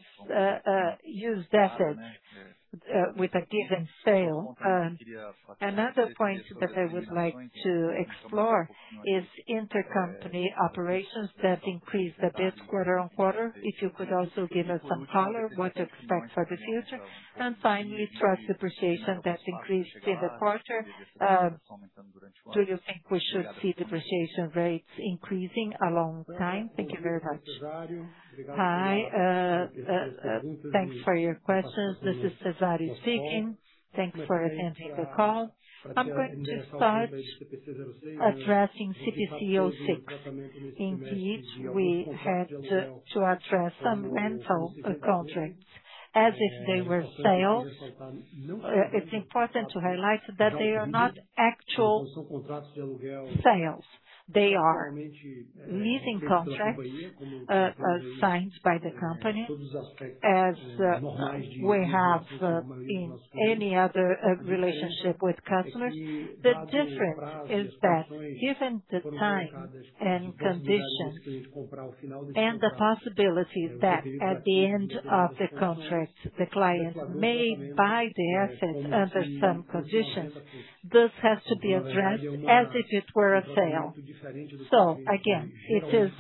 used assets with a given sale. Another point that I would like to explore is intercompany operations that increased a bit quarter-over-quarter. If you could also give us some color, what to expect for the future. Finally, truck depreciation that increased in the quarter. Do you think we should see depreciation rates increasing along time? Thank you very much. Hi. Thanks for your questions. This is José Cezário speaking. Thanks for attending the call. I'm going to start addressing CPC 06. Indeed, we had to address some rental contracts as if they were sales. It's important to highlight that they are not actual sales. They are leasing contracts signed by the company as we have in any other relationship with customers. The difference is that given the time and conditions and the possibility that at the end of the contract, the client may buy the asset under some conditions, this has to be addressed as if it were a sale. Again, it is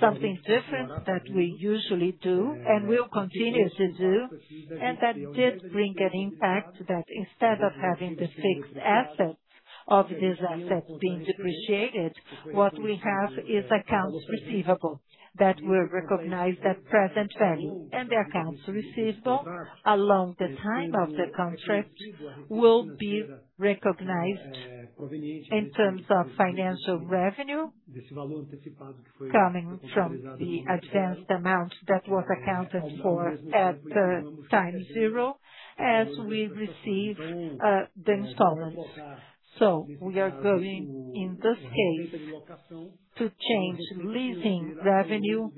something different that we usually do and will continue to do, and that did bring an impact that instead of having the fixed assets of these assets being depreciated, what we have is accounts receivable that will recognize that present value. The accounts receivable along the time of the contract will be recognized in terms of financial revenue coming from the advanced amount that was accounted for at time zero as we receive the installments. We are going, in this case, to change leasing revenue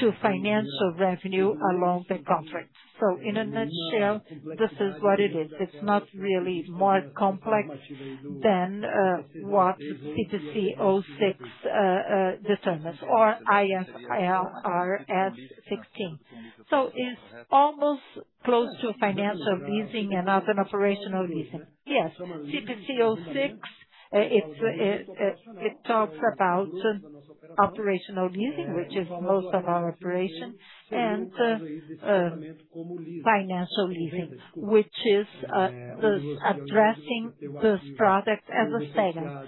to financial revenue along the contract. In a nutshell, this is what it is. It's not really more complex than what CPC 06 determines or IFRS 16. It's almost close to a financial leasing and not an operational leasing. Yes. CPC 06, it's, it talks about operational leasing, which is most of our operation and financial leasing, which is thus addressing this product as a sale.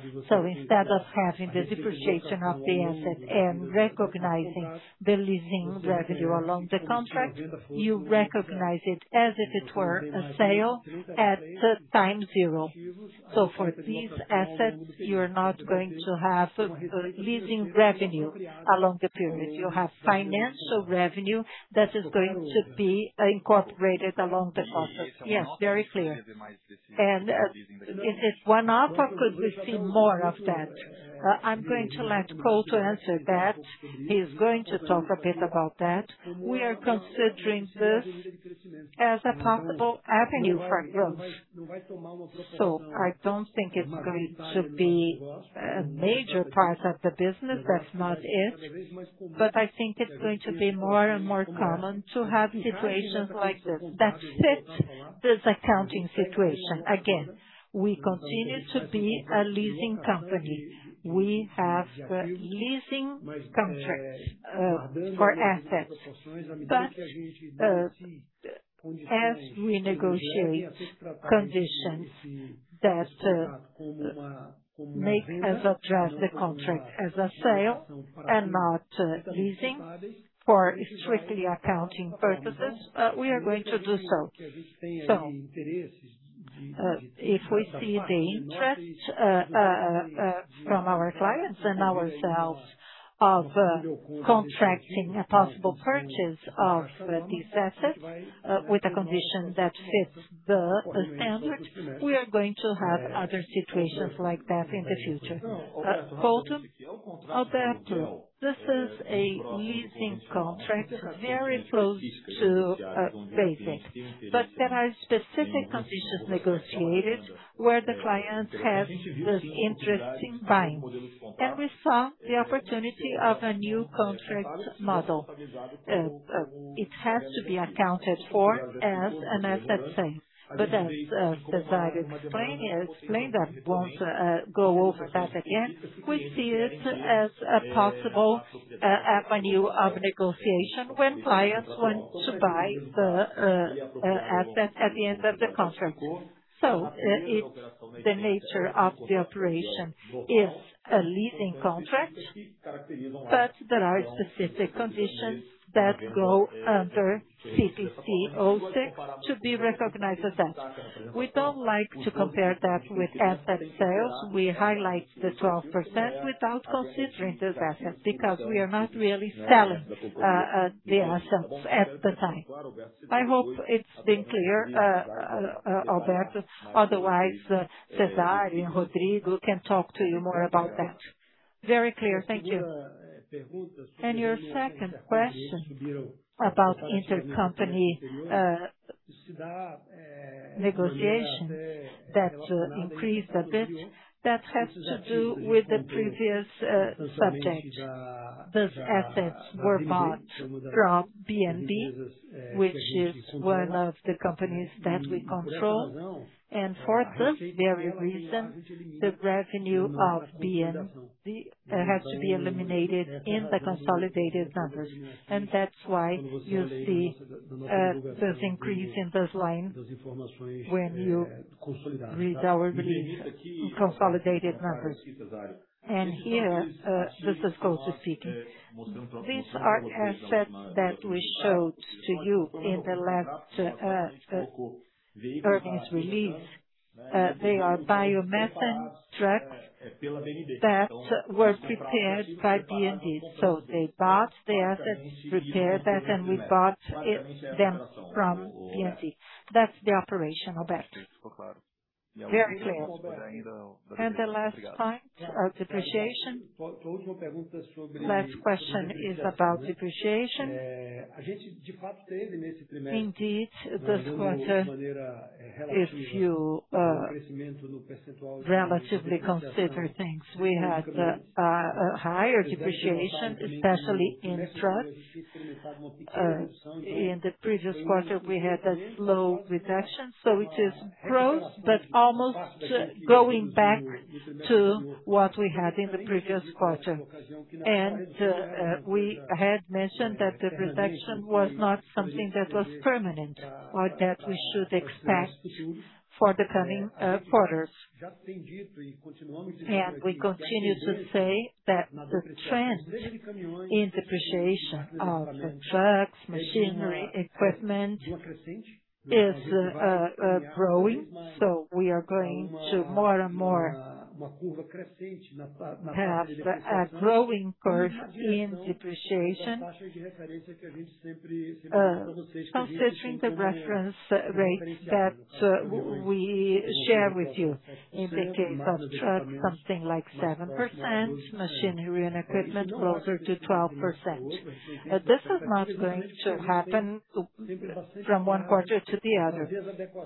Instead of having the depreciation of the asset and recognizing the leasing revenue along the contract, you recognize it as if it were a sale at time zero. For these assets, you're not going to have leasing revenue along the period. You have financial revenue that is going to be incorporated along the contract. Yes, very clear. Is this one-off or could we see more of that? I'm going to let Couto answer that. He's going to talk a bit about that. We are considering this as a possible avenue for growth. I don't think it's going to be a major part of the business. That's not it. I think it's going to be more and more common to have situations like this that fit this accounting situation. Again, we continue to be a leasing company. We have leasing contracts for assets. As we negotiate conditions that make us address the contract as a sale and not leasing for strictly accounting purposes, we are going to do so. If we see the interest from our clients and ourselves of contracting a possible purchase of these assets with a condition that fits the standard, we are going to have other situations like that in the future. Gustavo Couto to Alberto Valerio, this is a leasing contract very close to basic. There are specific conditions negotiated where the clients have this interest in buying. We saw the opportunity of a new contract model. It has to be accounted for as an asset sale. As Cezário explained that, won't go over that again. We see it as a possible avenue of negotiation when clients want to buy the asset at the end of the contract. The nature of the operation is a leasing contract, but there are specific conditions that go under CPC 06 to be recognized as that. We don't like to compare that with asset sales. We highlight the 12% without considering those assets, because we are not really selling the assets at the time. I hope it's been clear, Alberto. Otherwise, José Cezário and Rodrigo can talk to you more about that. Very clear. Thank you. Your second question about intercompany negotiation that increased a bit, that has to do with the previous subject. Those assets were bought from BMB, which is one of the companies that we control. For this very reason, the revenue of BMB had to be eliminated in the consolidated numbers. That's why you see this increase in those lines when you read our release consolidated numbers. Here, this is going to CPC. These are assets that we showed to you in the last earnings release. They are biomethane trucks that were prepared by BMB. They bought the assets, prepared that, and we bought them from BMB. That's the operational benefit. Very clear. The last point of depreciation. Last question is about depreciation. Indeed, this quarter, if you relatively consider things, we had a higher depreciation, especially in trucks. In the previous quarter, we had a slow reduction. It is gross, but almost going back to what we had in the previous quarter. We had mentioned that the reduction was not something that was permanent or that we should expect for the coming quarters. We continue to say that the trend in depreciation of trucks, machinery, equipment is growing. We are going to more and more have a growing curve in depreciation, considering the reference rate that we share with you. In the case of trucks, something like 7%, machinery and equipment closer to 12%. This is not going to happen from one quarter to the other.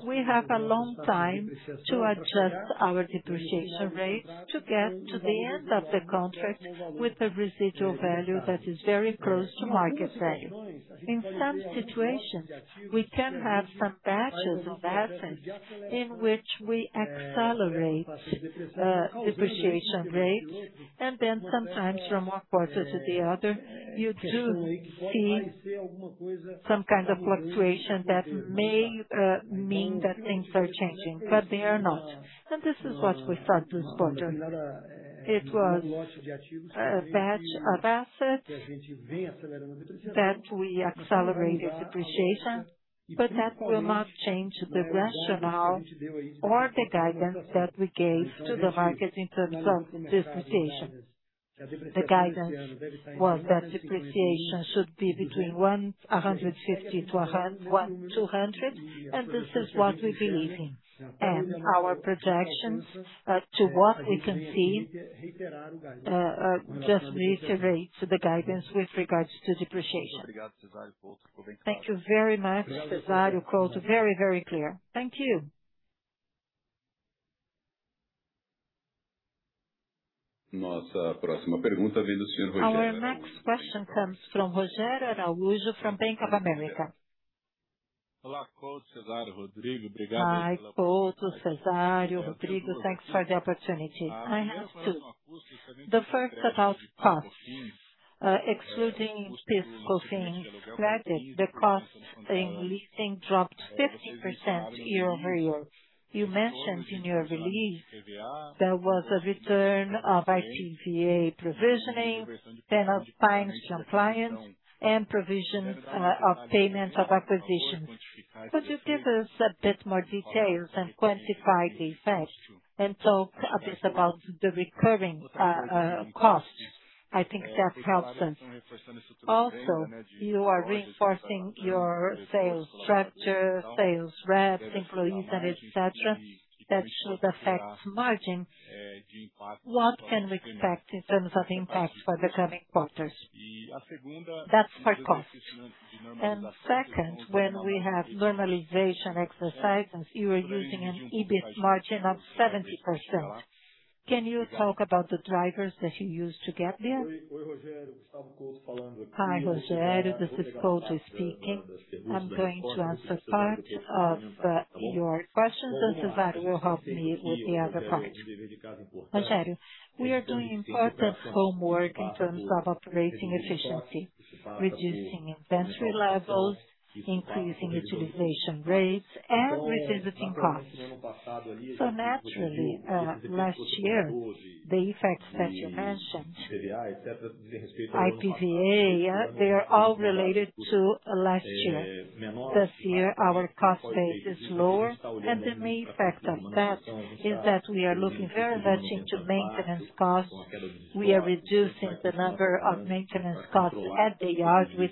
We have a long time to adjust our depreciation rate to get to the end of the contract with a residual value that is very close to market value. In some situations, we can have some batches of assets in which we accelerate depreciation rates, then sometimes from one quarter to the other, you do see some kind of fluctuation that may mean that things are changing, but they are not. This is what we saw this quarter. It was a batch of assets that we accelerated depreciation, but that will not change the rationale or the guidance that we gave to the market in terms of depreciation. The guidance was that depreciation should be between 150-200, and this is what we believe in. Our projections to what we can see just reiterate the guidance with regards to depreciation. Thank you very much, José Cezário. Gustavo Couto, very, very clear. Thank you. Our next question comes from Rogério Araújo from Bank of America. Hi, Couto, Cezário, Rodrigo. Thanks for the opportunity. I have two. The first about costs. Excluding PIS/COFINS credit, the costs in leasing dropped 50% year-over-year. You mentioned in your release there was a return of IPVA provisioning, penalties fines from clients, and provisions of payments of acquisitions. Could you give us a bit more details and quantify the effect, and talk a bit about the recurring costs? I think that helps us. Also, you are reinforcing your sales structure, sales reps, employees and et cetera, that should affect margin. What can we expect in terms of impact for the coming quarters? That's for costs. Second, when we have normalization exercises, you are using an EBIT margin of 70%. Can you talk about the drivers that you use to get there? Hi, Rogério. This is Couto speaking. I'm going to answer part of your questions, and Cezário will help me with the other part. Rogério, we are doing important homework in terms of operating efficiency, reducing inventory levels, increasing utilization rates, and revisiting costs. Naturally, last year, the effects that you mentioned, IPVA, they are all related to last year. This year, our cost base is lower, and the main effect of that is that we are looking very much into maintenance costs. We are reducing the number of maintenance costs at the yard with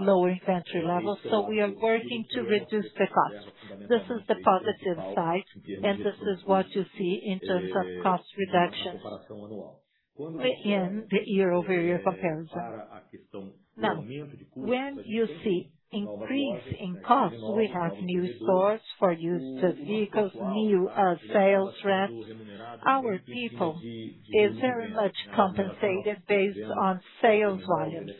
lower inventory levels, so we are working to reduce the costs. This is the positive side, and this is what you see in terms of cost reductions in the year-over-year comparison. When you see increase in costs, we have new stores for used vehicles, new ref wraps. Our people is very much compensated based on sales volumes.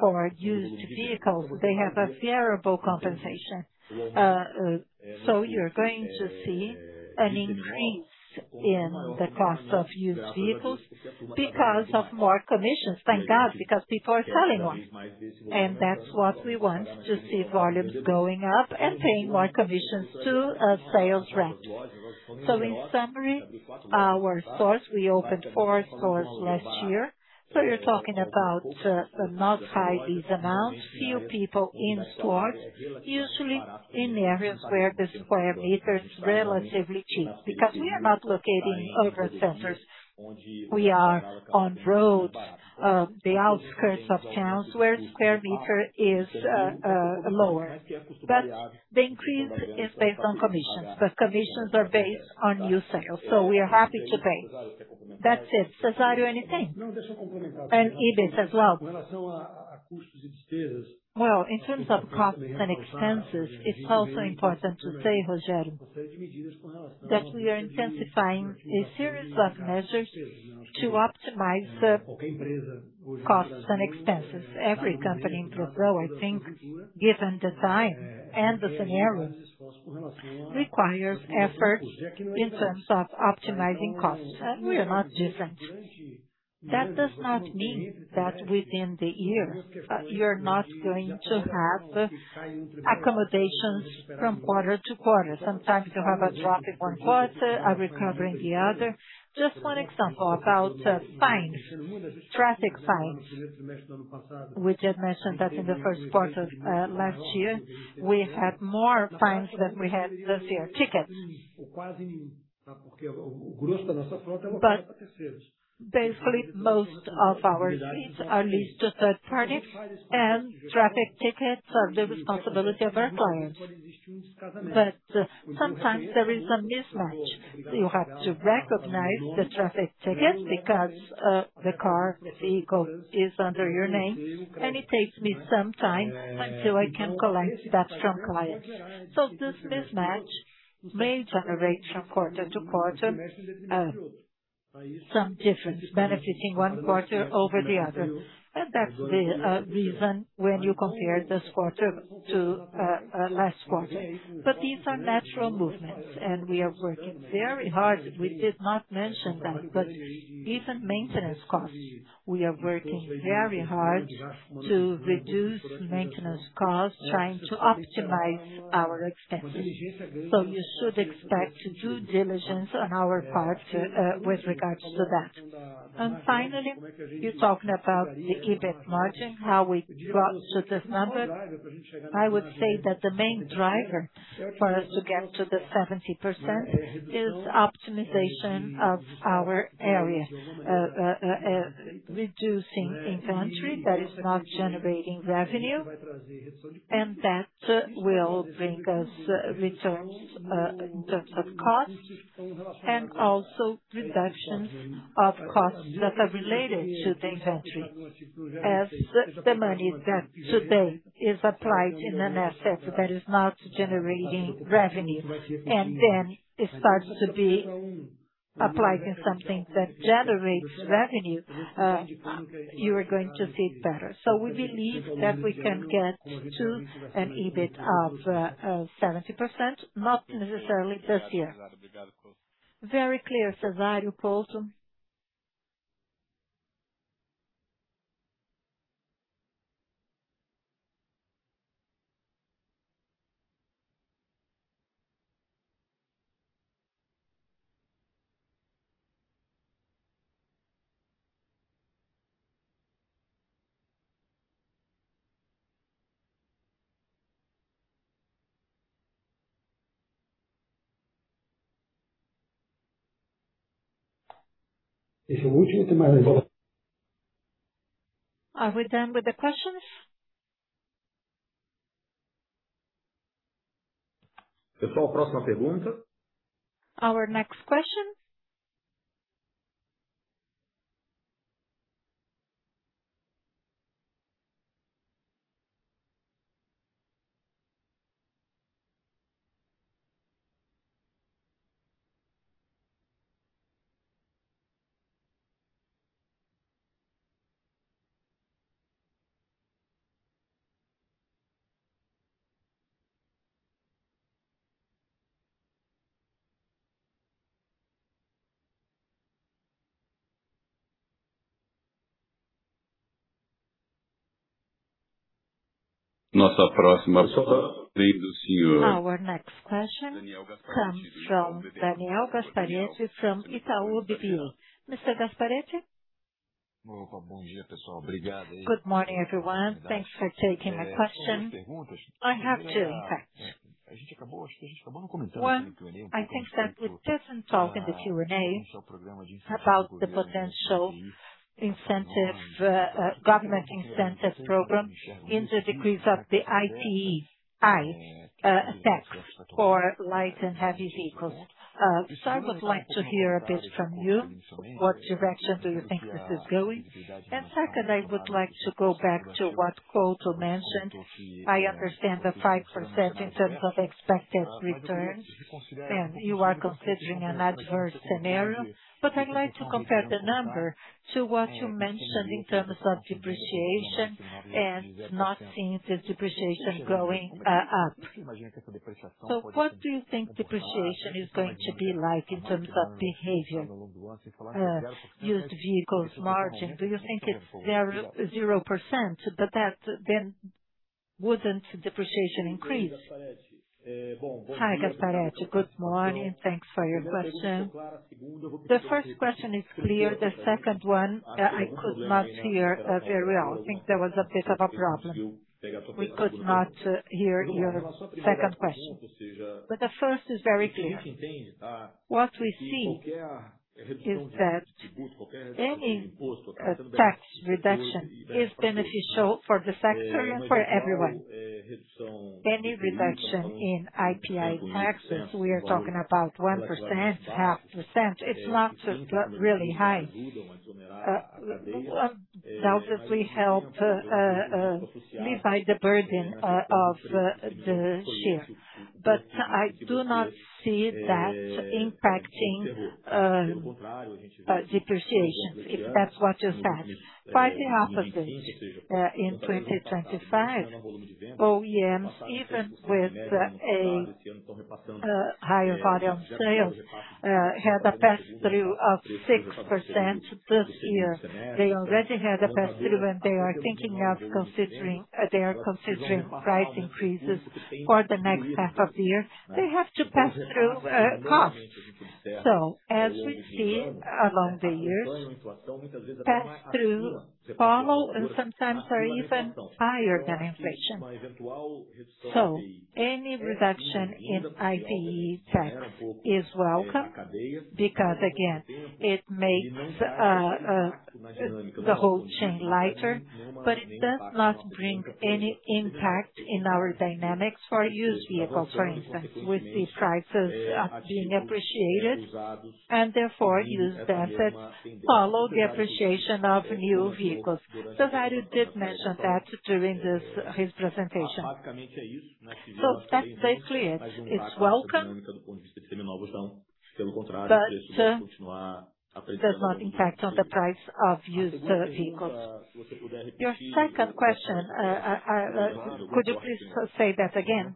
For used vehicles, they have a variable compensation. You're going to see an increase in the cost of used vehicles because of more commissions. Thank God, because people are selling more. That's what we want to see volumes going up and paying more commissions to a sales rep. In summary, our stores, we opened four stores last year, you're talking about not high lease amounts, few people in stores, usually in areas where the square meter is relatively cheap because we are not locating urban centers. We are on roads, the outskirts of towns where square meter is lower. The increase is based on commissions, but commissions are based on new sales, so we are happy to pay. That's it. Cezário, anything? EBIT as well. Well, in terms of costs and expenses, it is also important to say, Rogério, that we are intensifying a series of measures to optimize the costs and expenses. Every company in Brazil, I think, given the time and the scenario, requires effort in terms of optimizing costs. We are not different. That does not mean that within the year, you are not going to have accommodations from quarter to quarter. Sometimes you have a drop in one quarter, a recovery in the other. Just one example about fines, traffic fines. We just mentioned that in the first quarter of last year, we had more fines than we had this year, tickets. Basically, most of our fleets are leased to third parties. Traffic tickets are the responsibility of our clients. But sometimes there is a mismatch. You have to recognize the traffic ticket because the car, the vehicle is under your name, and it takes me some time until I can collect that from clients. This mismatch may generate from quarter to quarter, some difference benefiting one quarter over the other. That's the reason when you compare this quarter to last quarter. These are natural movements, and we are working very hard. We did not mention that, but even maintenance costs, we are working very hard to reduce maintenance costs, trying to optimize our expenses. You should expect due diligence on our part with regards to that. Finally, you're talking about the EBIT margin, how we got to this number. I would say that the main driver for us to get to the 70% is optimization of our area, reducing inventory that is not generating revenue. That will bring us returns in terms of costs and also reduction of costs that are related to the inventory. As the money that today is applied in an asset that is not generating revenue, and then it starts to be applied in something that generates revenue, you are going to see it better. We believe that we can get to an EBIT of 70%, not necessarily this year. Very clear, José Cezário. Are we done with the questions? Our next question. Our next question comes from Daniel Gasparete from Itaú BBA. Mr. Gasparete. Good morning, everyone. Thanks for taking my question. I have two, in fact. One, I think that we didn't talk in the Q&A about the potential incentive, government incentives program in the decrease of the IPI tax for light and heavy vehicles. I would like to hear a bit from you. What direction do you think this is going? Second, I would like to go back to what Couto mentioned. I understand the 5% in terms of expected returns, and you are considering an adverse scenario. I'd like to compare the number to what you mentioned in terms of depreciation and not seeing this depreciation going up. What do you think depreciation is going to be like in terms of behavior, used vehicles margin? Do you think it's 0%? That then wouldn't depreciation increase? Hi, Gasparete. Good morning. Thanks for your question. The first question is clear. The second one, I could not hear very well. I think there was a bit of a problem. We could not hear your second question. The first is very clear. What we think is that any tax reduction is beneficial for the sector and for everyone. Any reduction in IPI taxes, we are talking about 1%, 0.5%. It's not really high. Would undoubtedly help relieve the burden of the share. I do not see that impacting depreciation, if that's what you said. Quite the opposite. In 2025, OEMs, even with a higher volume sales, had a pass-through of 6% this year. They already had a pass-through, and they are considering price increases for the next half of the year. They have to pass through costs. As we see along the years, pass through follow and sometimes are even higher than inflation. Any reduction in IPI tax is welcome because again, it makes the whole chain lighter, but it does not bring any impact in our dynamics for used vehicle, for instance. We see prices being appreciated and therefore used assets follow the appreciation of new vehicles. Cezário did mention that during his presentation. That's exactly it. It's welcome, but it does not impact on the price of used vehicles. Your second question, could you please say that again?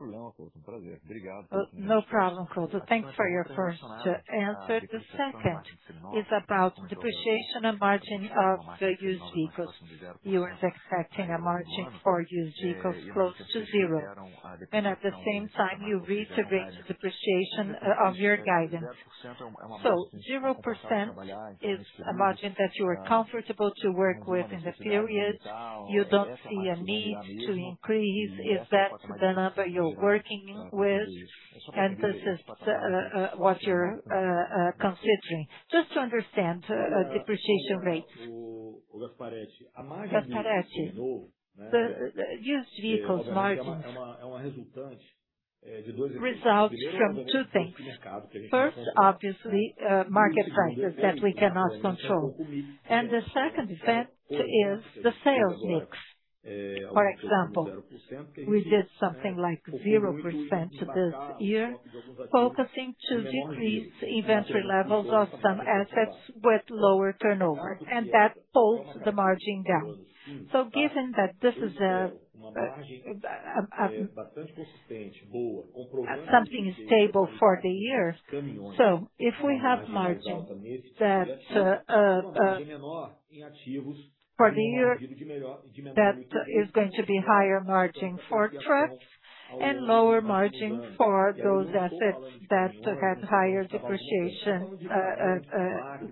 No problem, Couto. Thank you for your first answer. The second is about depreciation and margin of the used vehicles. You were expecting a margin for used vehicles close to 0%, and at the same time you reiterate the depreciation of your guidance. 0% is a margin that you are comfortable to work with in the period. You don't see a need to increase. Is that the number you're working with, and this is what you're considering? Just to understand depreciation rates. Gasparete, the used vehicles margins results from two things. First, obviously, market prices that we cannot control. The second effect is the sales mix. For example, we did something like 0% this year focusing to decrease inventory levels of some assets with lower turnover, and that pulls the margin down. Given that this is a something stable for the year. If we have margin that for the year, that is going to be higher margin for trucks and lower margin for those assets that had higher depreciation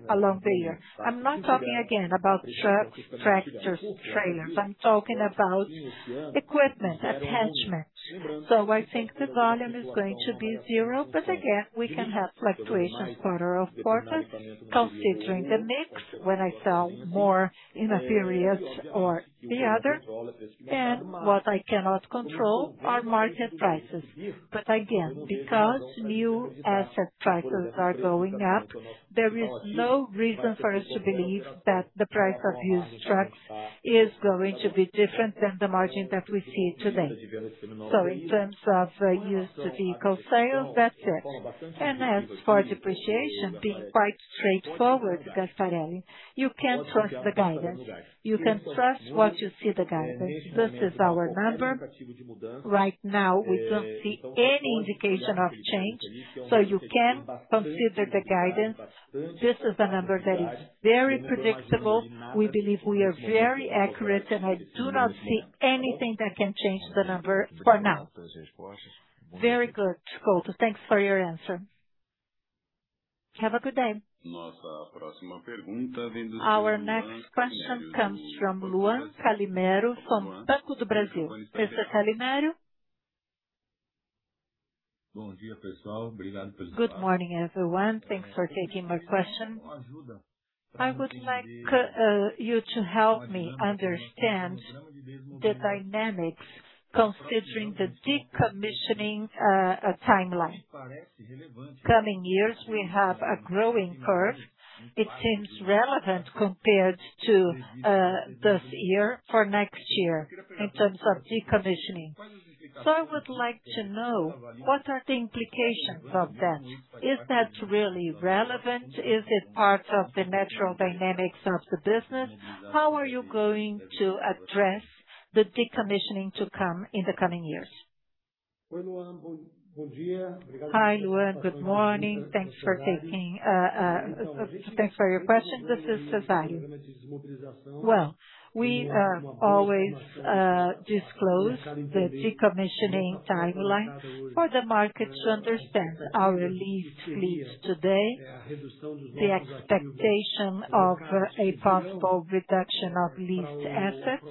along the year. I'm not talking again about trucks, tractors, trailers. I'm talking about equipment, attachments. I think the volume is going to be zero. Again, we can have fluctuations quarter on quarters considering the mix when I sell more in a period or the other. What I cannot control are market prices. Again, because new asset prices are going up, there is no reason for us to believe that the price of used trucks is going to be different than the margin that we see today. In terms of used vehicle sales, that's it. As for depreciation, being quite straightforward, Gasparete, you can trust the guidance. You can trust what you see the guidance. This is our number. Right now, we don't see any indication of change. You can consider the guidance. This is a number that is very predictable. We believe we are very accurate, and I do not see anything that can change the number for now. Very good, Couto. Thanks for your answer. Have a good day. Our next question comes from Luan Calimero from Banco do Brasil. Mr. Calimero. Good morning, everyone. Thanks for taking my question. I would like you to help me understand the dynamics considering the decommissioning timeline. Coming years, we have a growing curve. It seems relevant compared to this year for next year in terms of decommissioning. I would like to know what are the implications of that. Is that really relevant? Is it part of the natural dynamics of the business? How are you going to address the decommissioning to come in the coming years? Hi, Luan. Good morning. Thanks for your question. This is José Cezário. Well, we always disclose the decommissioning timeline for the market to understand our leased fleets today, the expectation of a possible reduction of leased assets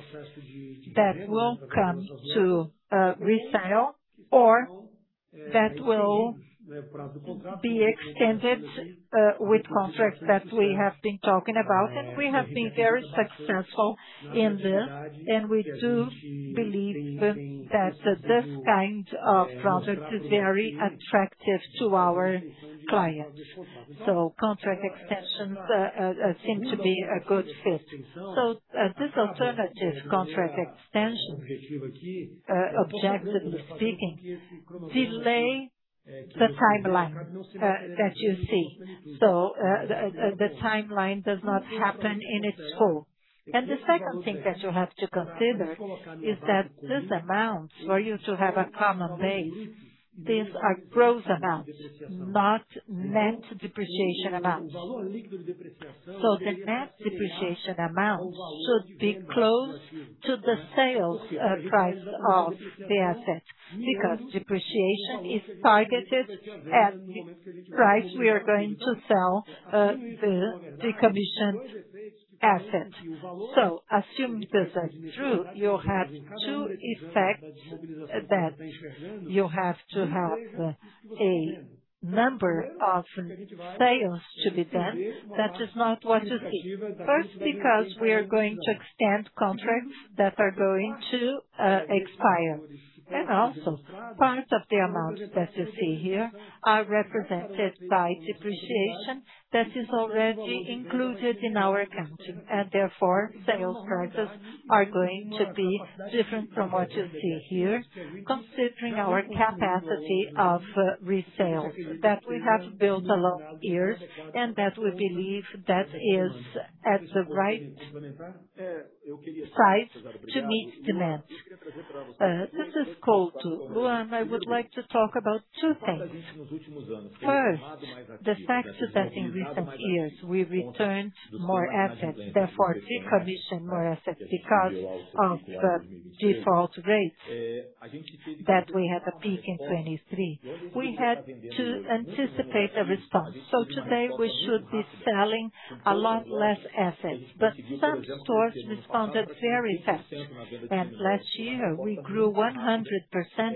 that will come to resale or that will be extended with contracts that we have been talking about. We have been very successful in this, and we do believe that kind of project is very attractive to our clients. Contract extensions seem to be a good fit. This alternative contract extension, objectively speaking, delay the timeline that you see. The timeline does not happen in its full. The second thing that you have to consider is that these amounts for you to have a common base. These are gross amounts, not net depreciation amounts. The net depreciation amount should be close to the sales price of the asset, because depreciation is targeted at the price we are going to sell the decommissioned asset. Assuming that that's true, you have two effects that you have to have a number of sales to be done. That is not what you see. First, because we are going to extend contracts that are going to expire. Also part of the amounts that you see here are represented by depreciation that is already included in our accounting. Therefore, sales targets are going to be different from what you see here, considering our capacity of resales that we have built along years and that we believe that is at the right size to meet demand. This is Couto. Luan, I would like to talk about two things. First, the fact that in recent years we returned more assets, therefore decommission more assets because of the default rates that we had a peak in 2023. We had to anticipate a response. Today we should be selling a lot less assets, but some stores responded very fast. Last year we grew 100%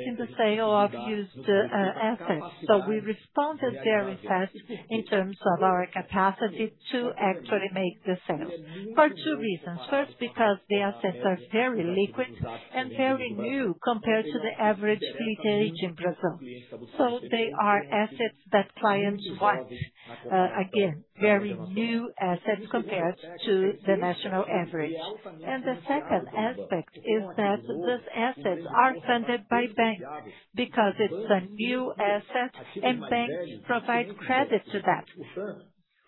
in the sale of used assets. We responded very fast in terms of our capacity to actually make the sales. For two reasons. First, because the assets are very liquid and very new compared to the average fleet age in Brazil. They are assets that clients want. Again, very new assets compared to the national average. The second aspect is that these assets are funded by banks because it's a new asset and banks provide credit to that.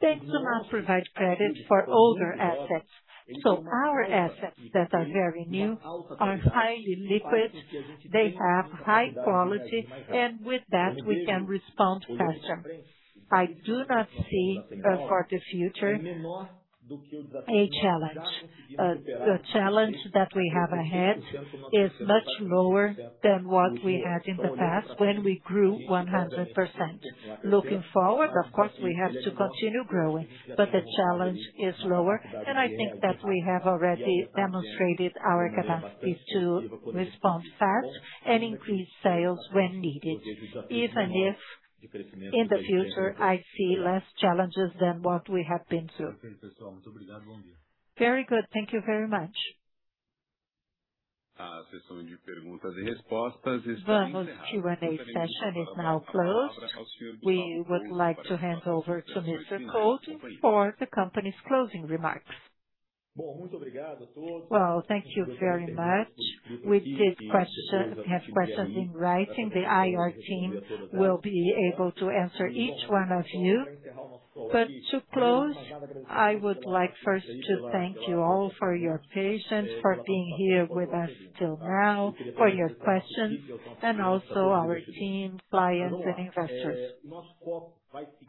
Banks do not provide credit for older assets. Our assets that are very new are highly liquid, they have high quality, and with that we can respond faster. I do not see for the future a challenge. The challenge that we have ahead is much lower than what we had in the past when we grew 100%. Looking forward, of course, we have to continue growing, but the challenge is lower, and I think that we have already demonstrated our capacity to respond fast and increase sales when needed, even if in the future I see less challenges than what we have been through. Very good. Thank you very much. Vamos Q&A session is now closed. We would like to hand over to Mr. Couto for the company's closing remarks. Well, thank you very much. With questions in writing, the IR team will be able to answer each one of you. To close, I would like first to thank you all for your patience, for being here with us till now, for your questions and also our team, clients and investors.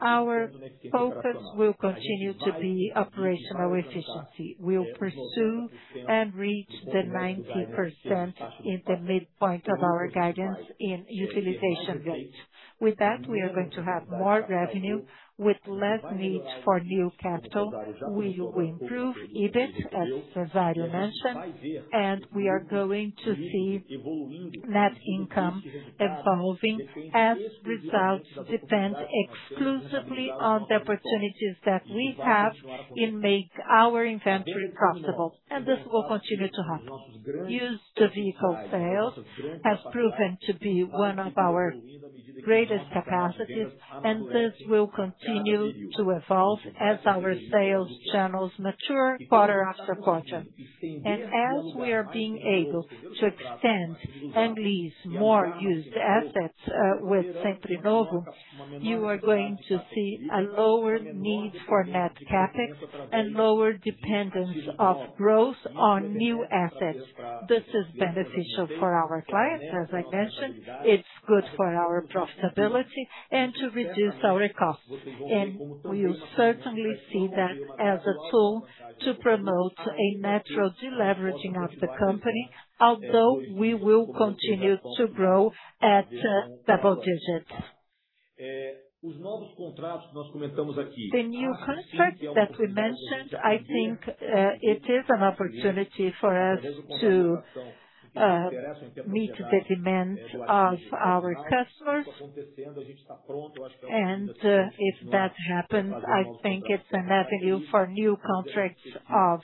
Our focus will continue to be operational efficiency. We'll pursue and reach the 90% in the midpoint of our guidance in utilization rates. We are going to have more revenue with less need for new capital. We will improve EBIT as Cezário mentioned, we are going to see net income evolving as results depend exclusively on the opportunities that we have in make our inventory profitable. This will continue to happen. Used vehicle sales has proven to be one of our greatest capacities, this will continue to evolve as our sales channels mature quarter after quarter. As we are being able to extend and lease more used assets, with Sempre Novo, you are going to see a lower need for Net CapEx and lower dependence of growth on new assets. This is beneficial for our clients, as I mentioned. It's good for our profitability and to reduce our costs. We will certainly see that as a tool to promote a natural deleveraging of the company. Although we will continue to grow at double digits. The new contract that we mentioned, I think, it is an opportunity for us to meet the demand of our customers. If that happens, I think it's an avenue for new contracts of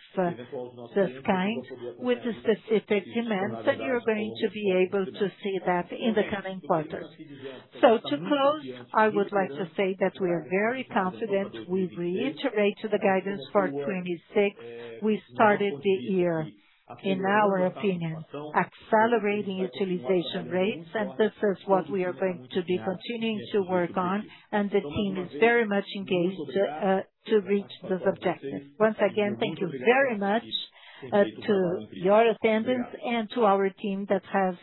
this kind with the specific demands that you're going to be able to see that in the coming quarters. To close, I would like to say that we are very confident. We reiterate the guidance for 2026. We started the year, in our opinion, accelerating utilization rates, and this is what we are going to be continuing to work on, and the team is very much engaged to reach this objective. Once again, thank you very much, to your attendance and to our team that has,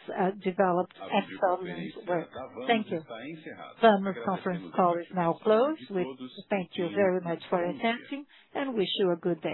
developed excellent work. Thank you. Vamos conference call is now closed. We thank you very much for attending and wish you a good day.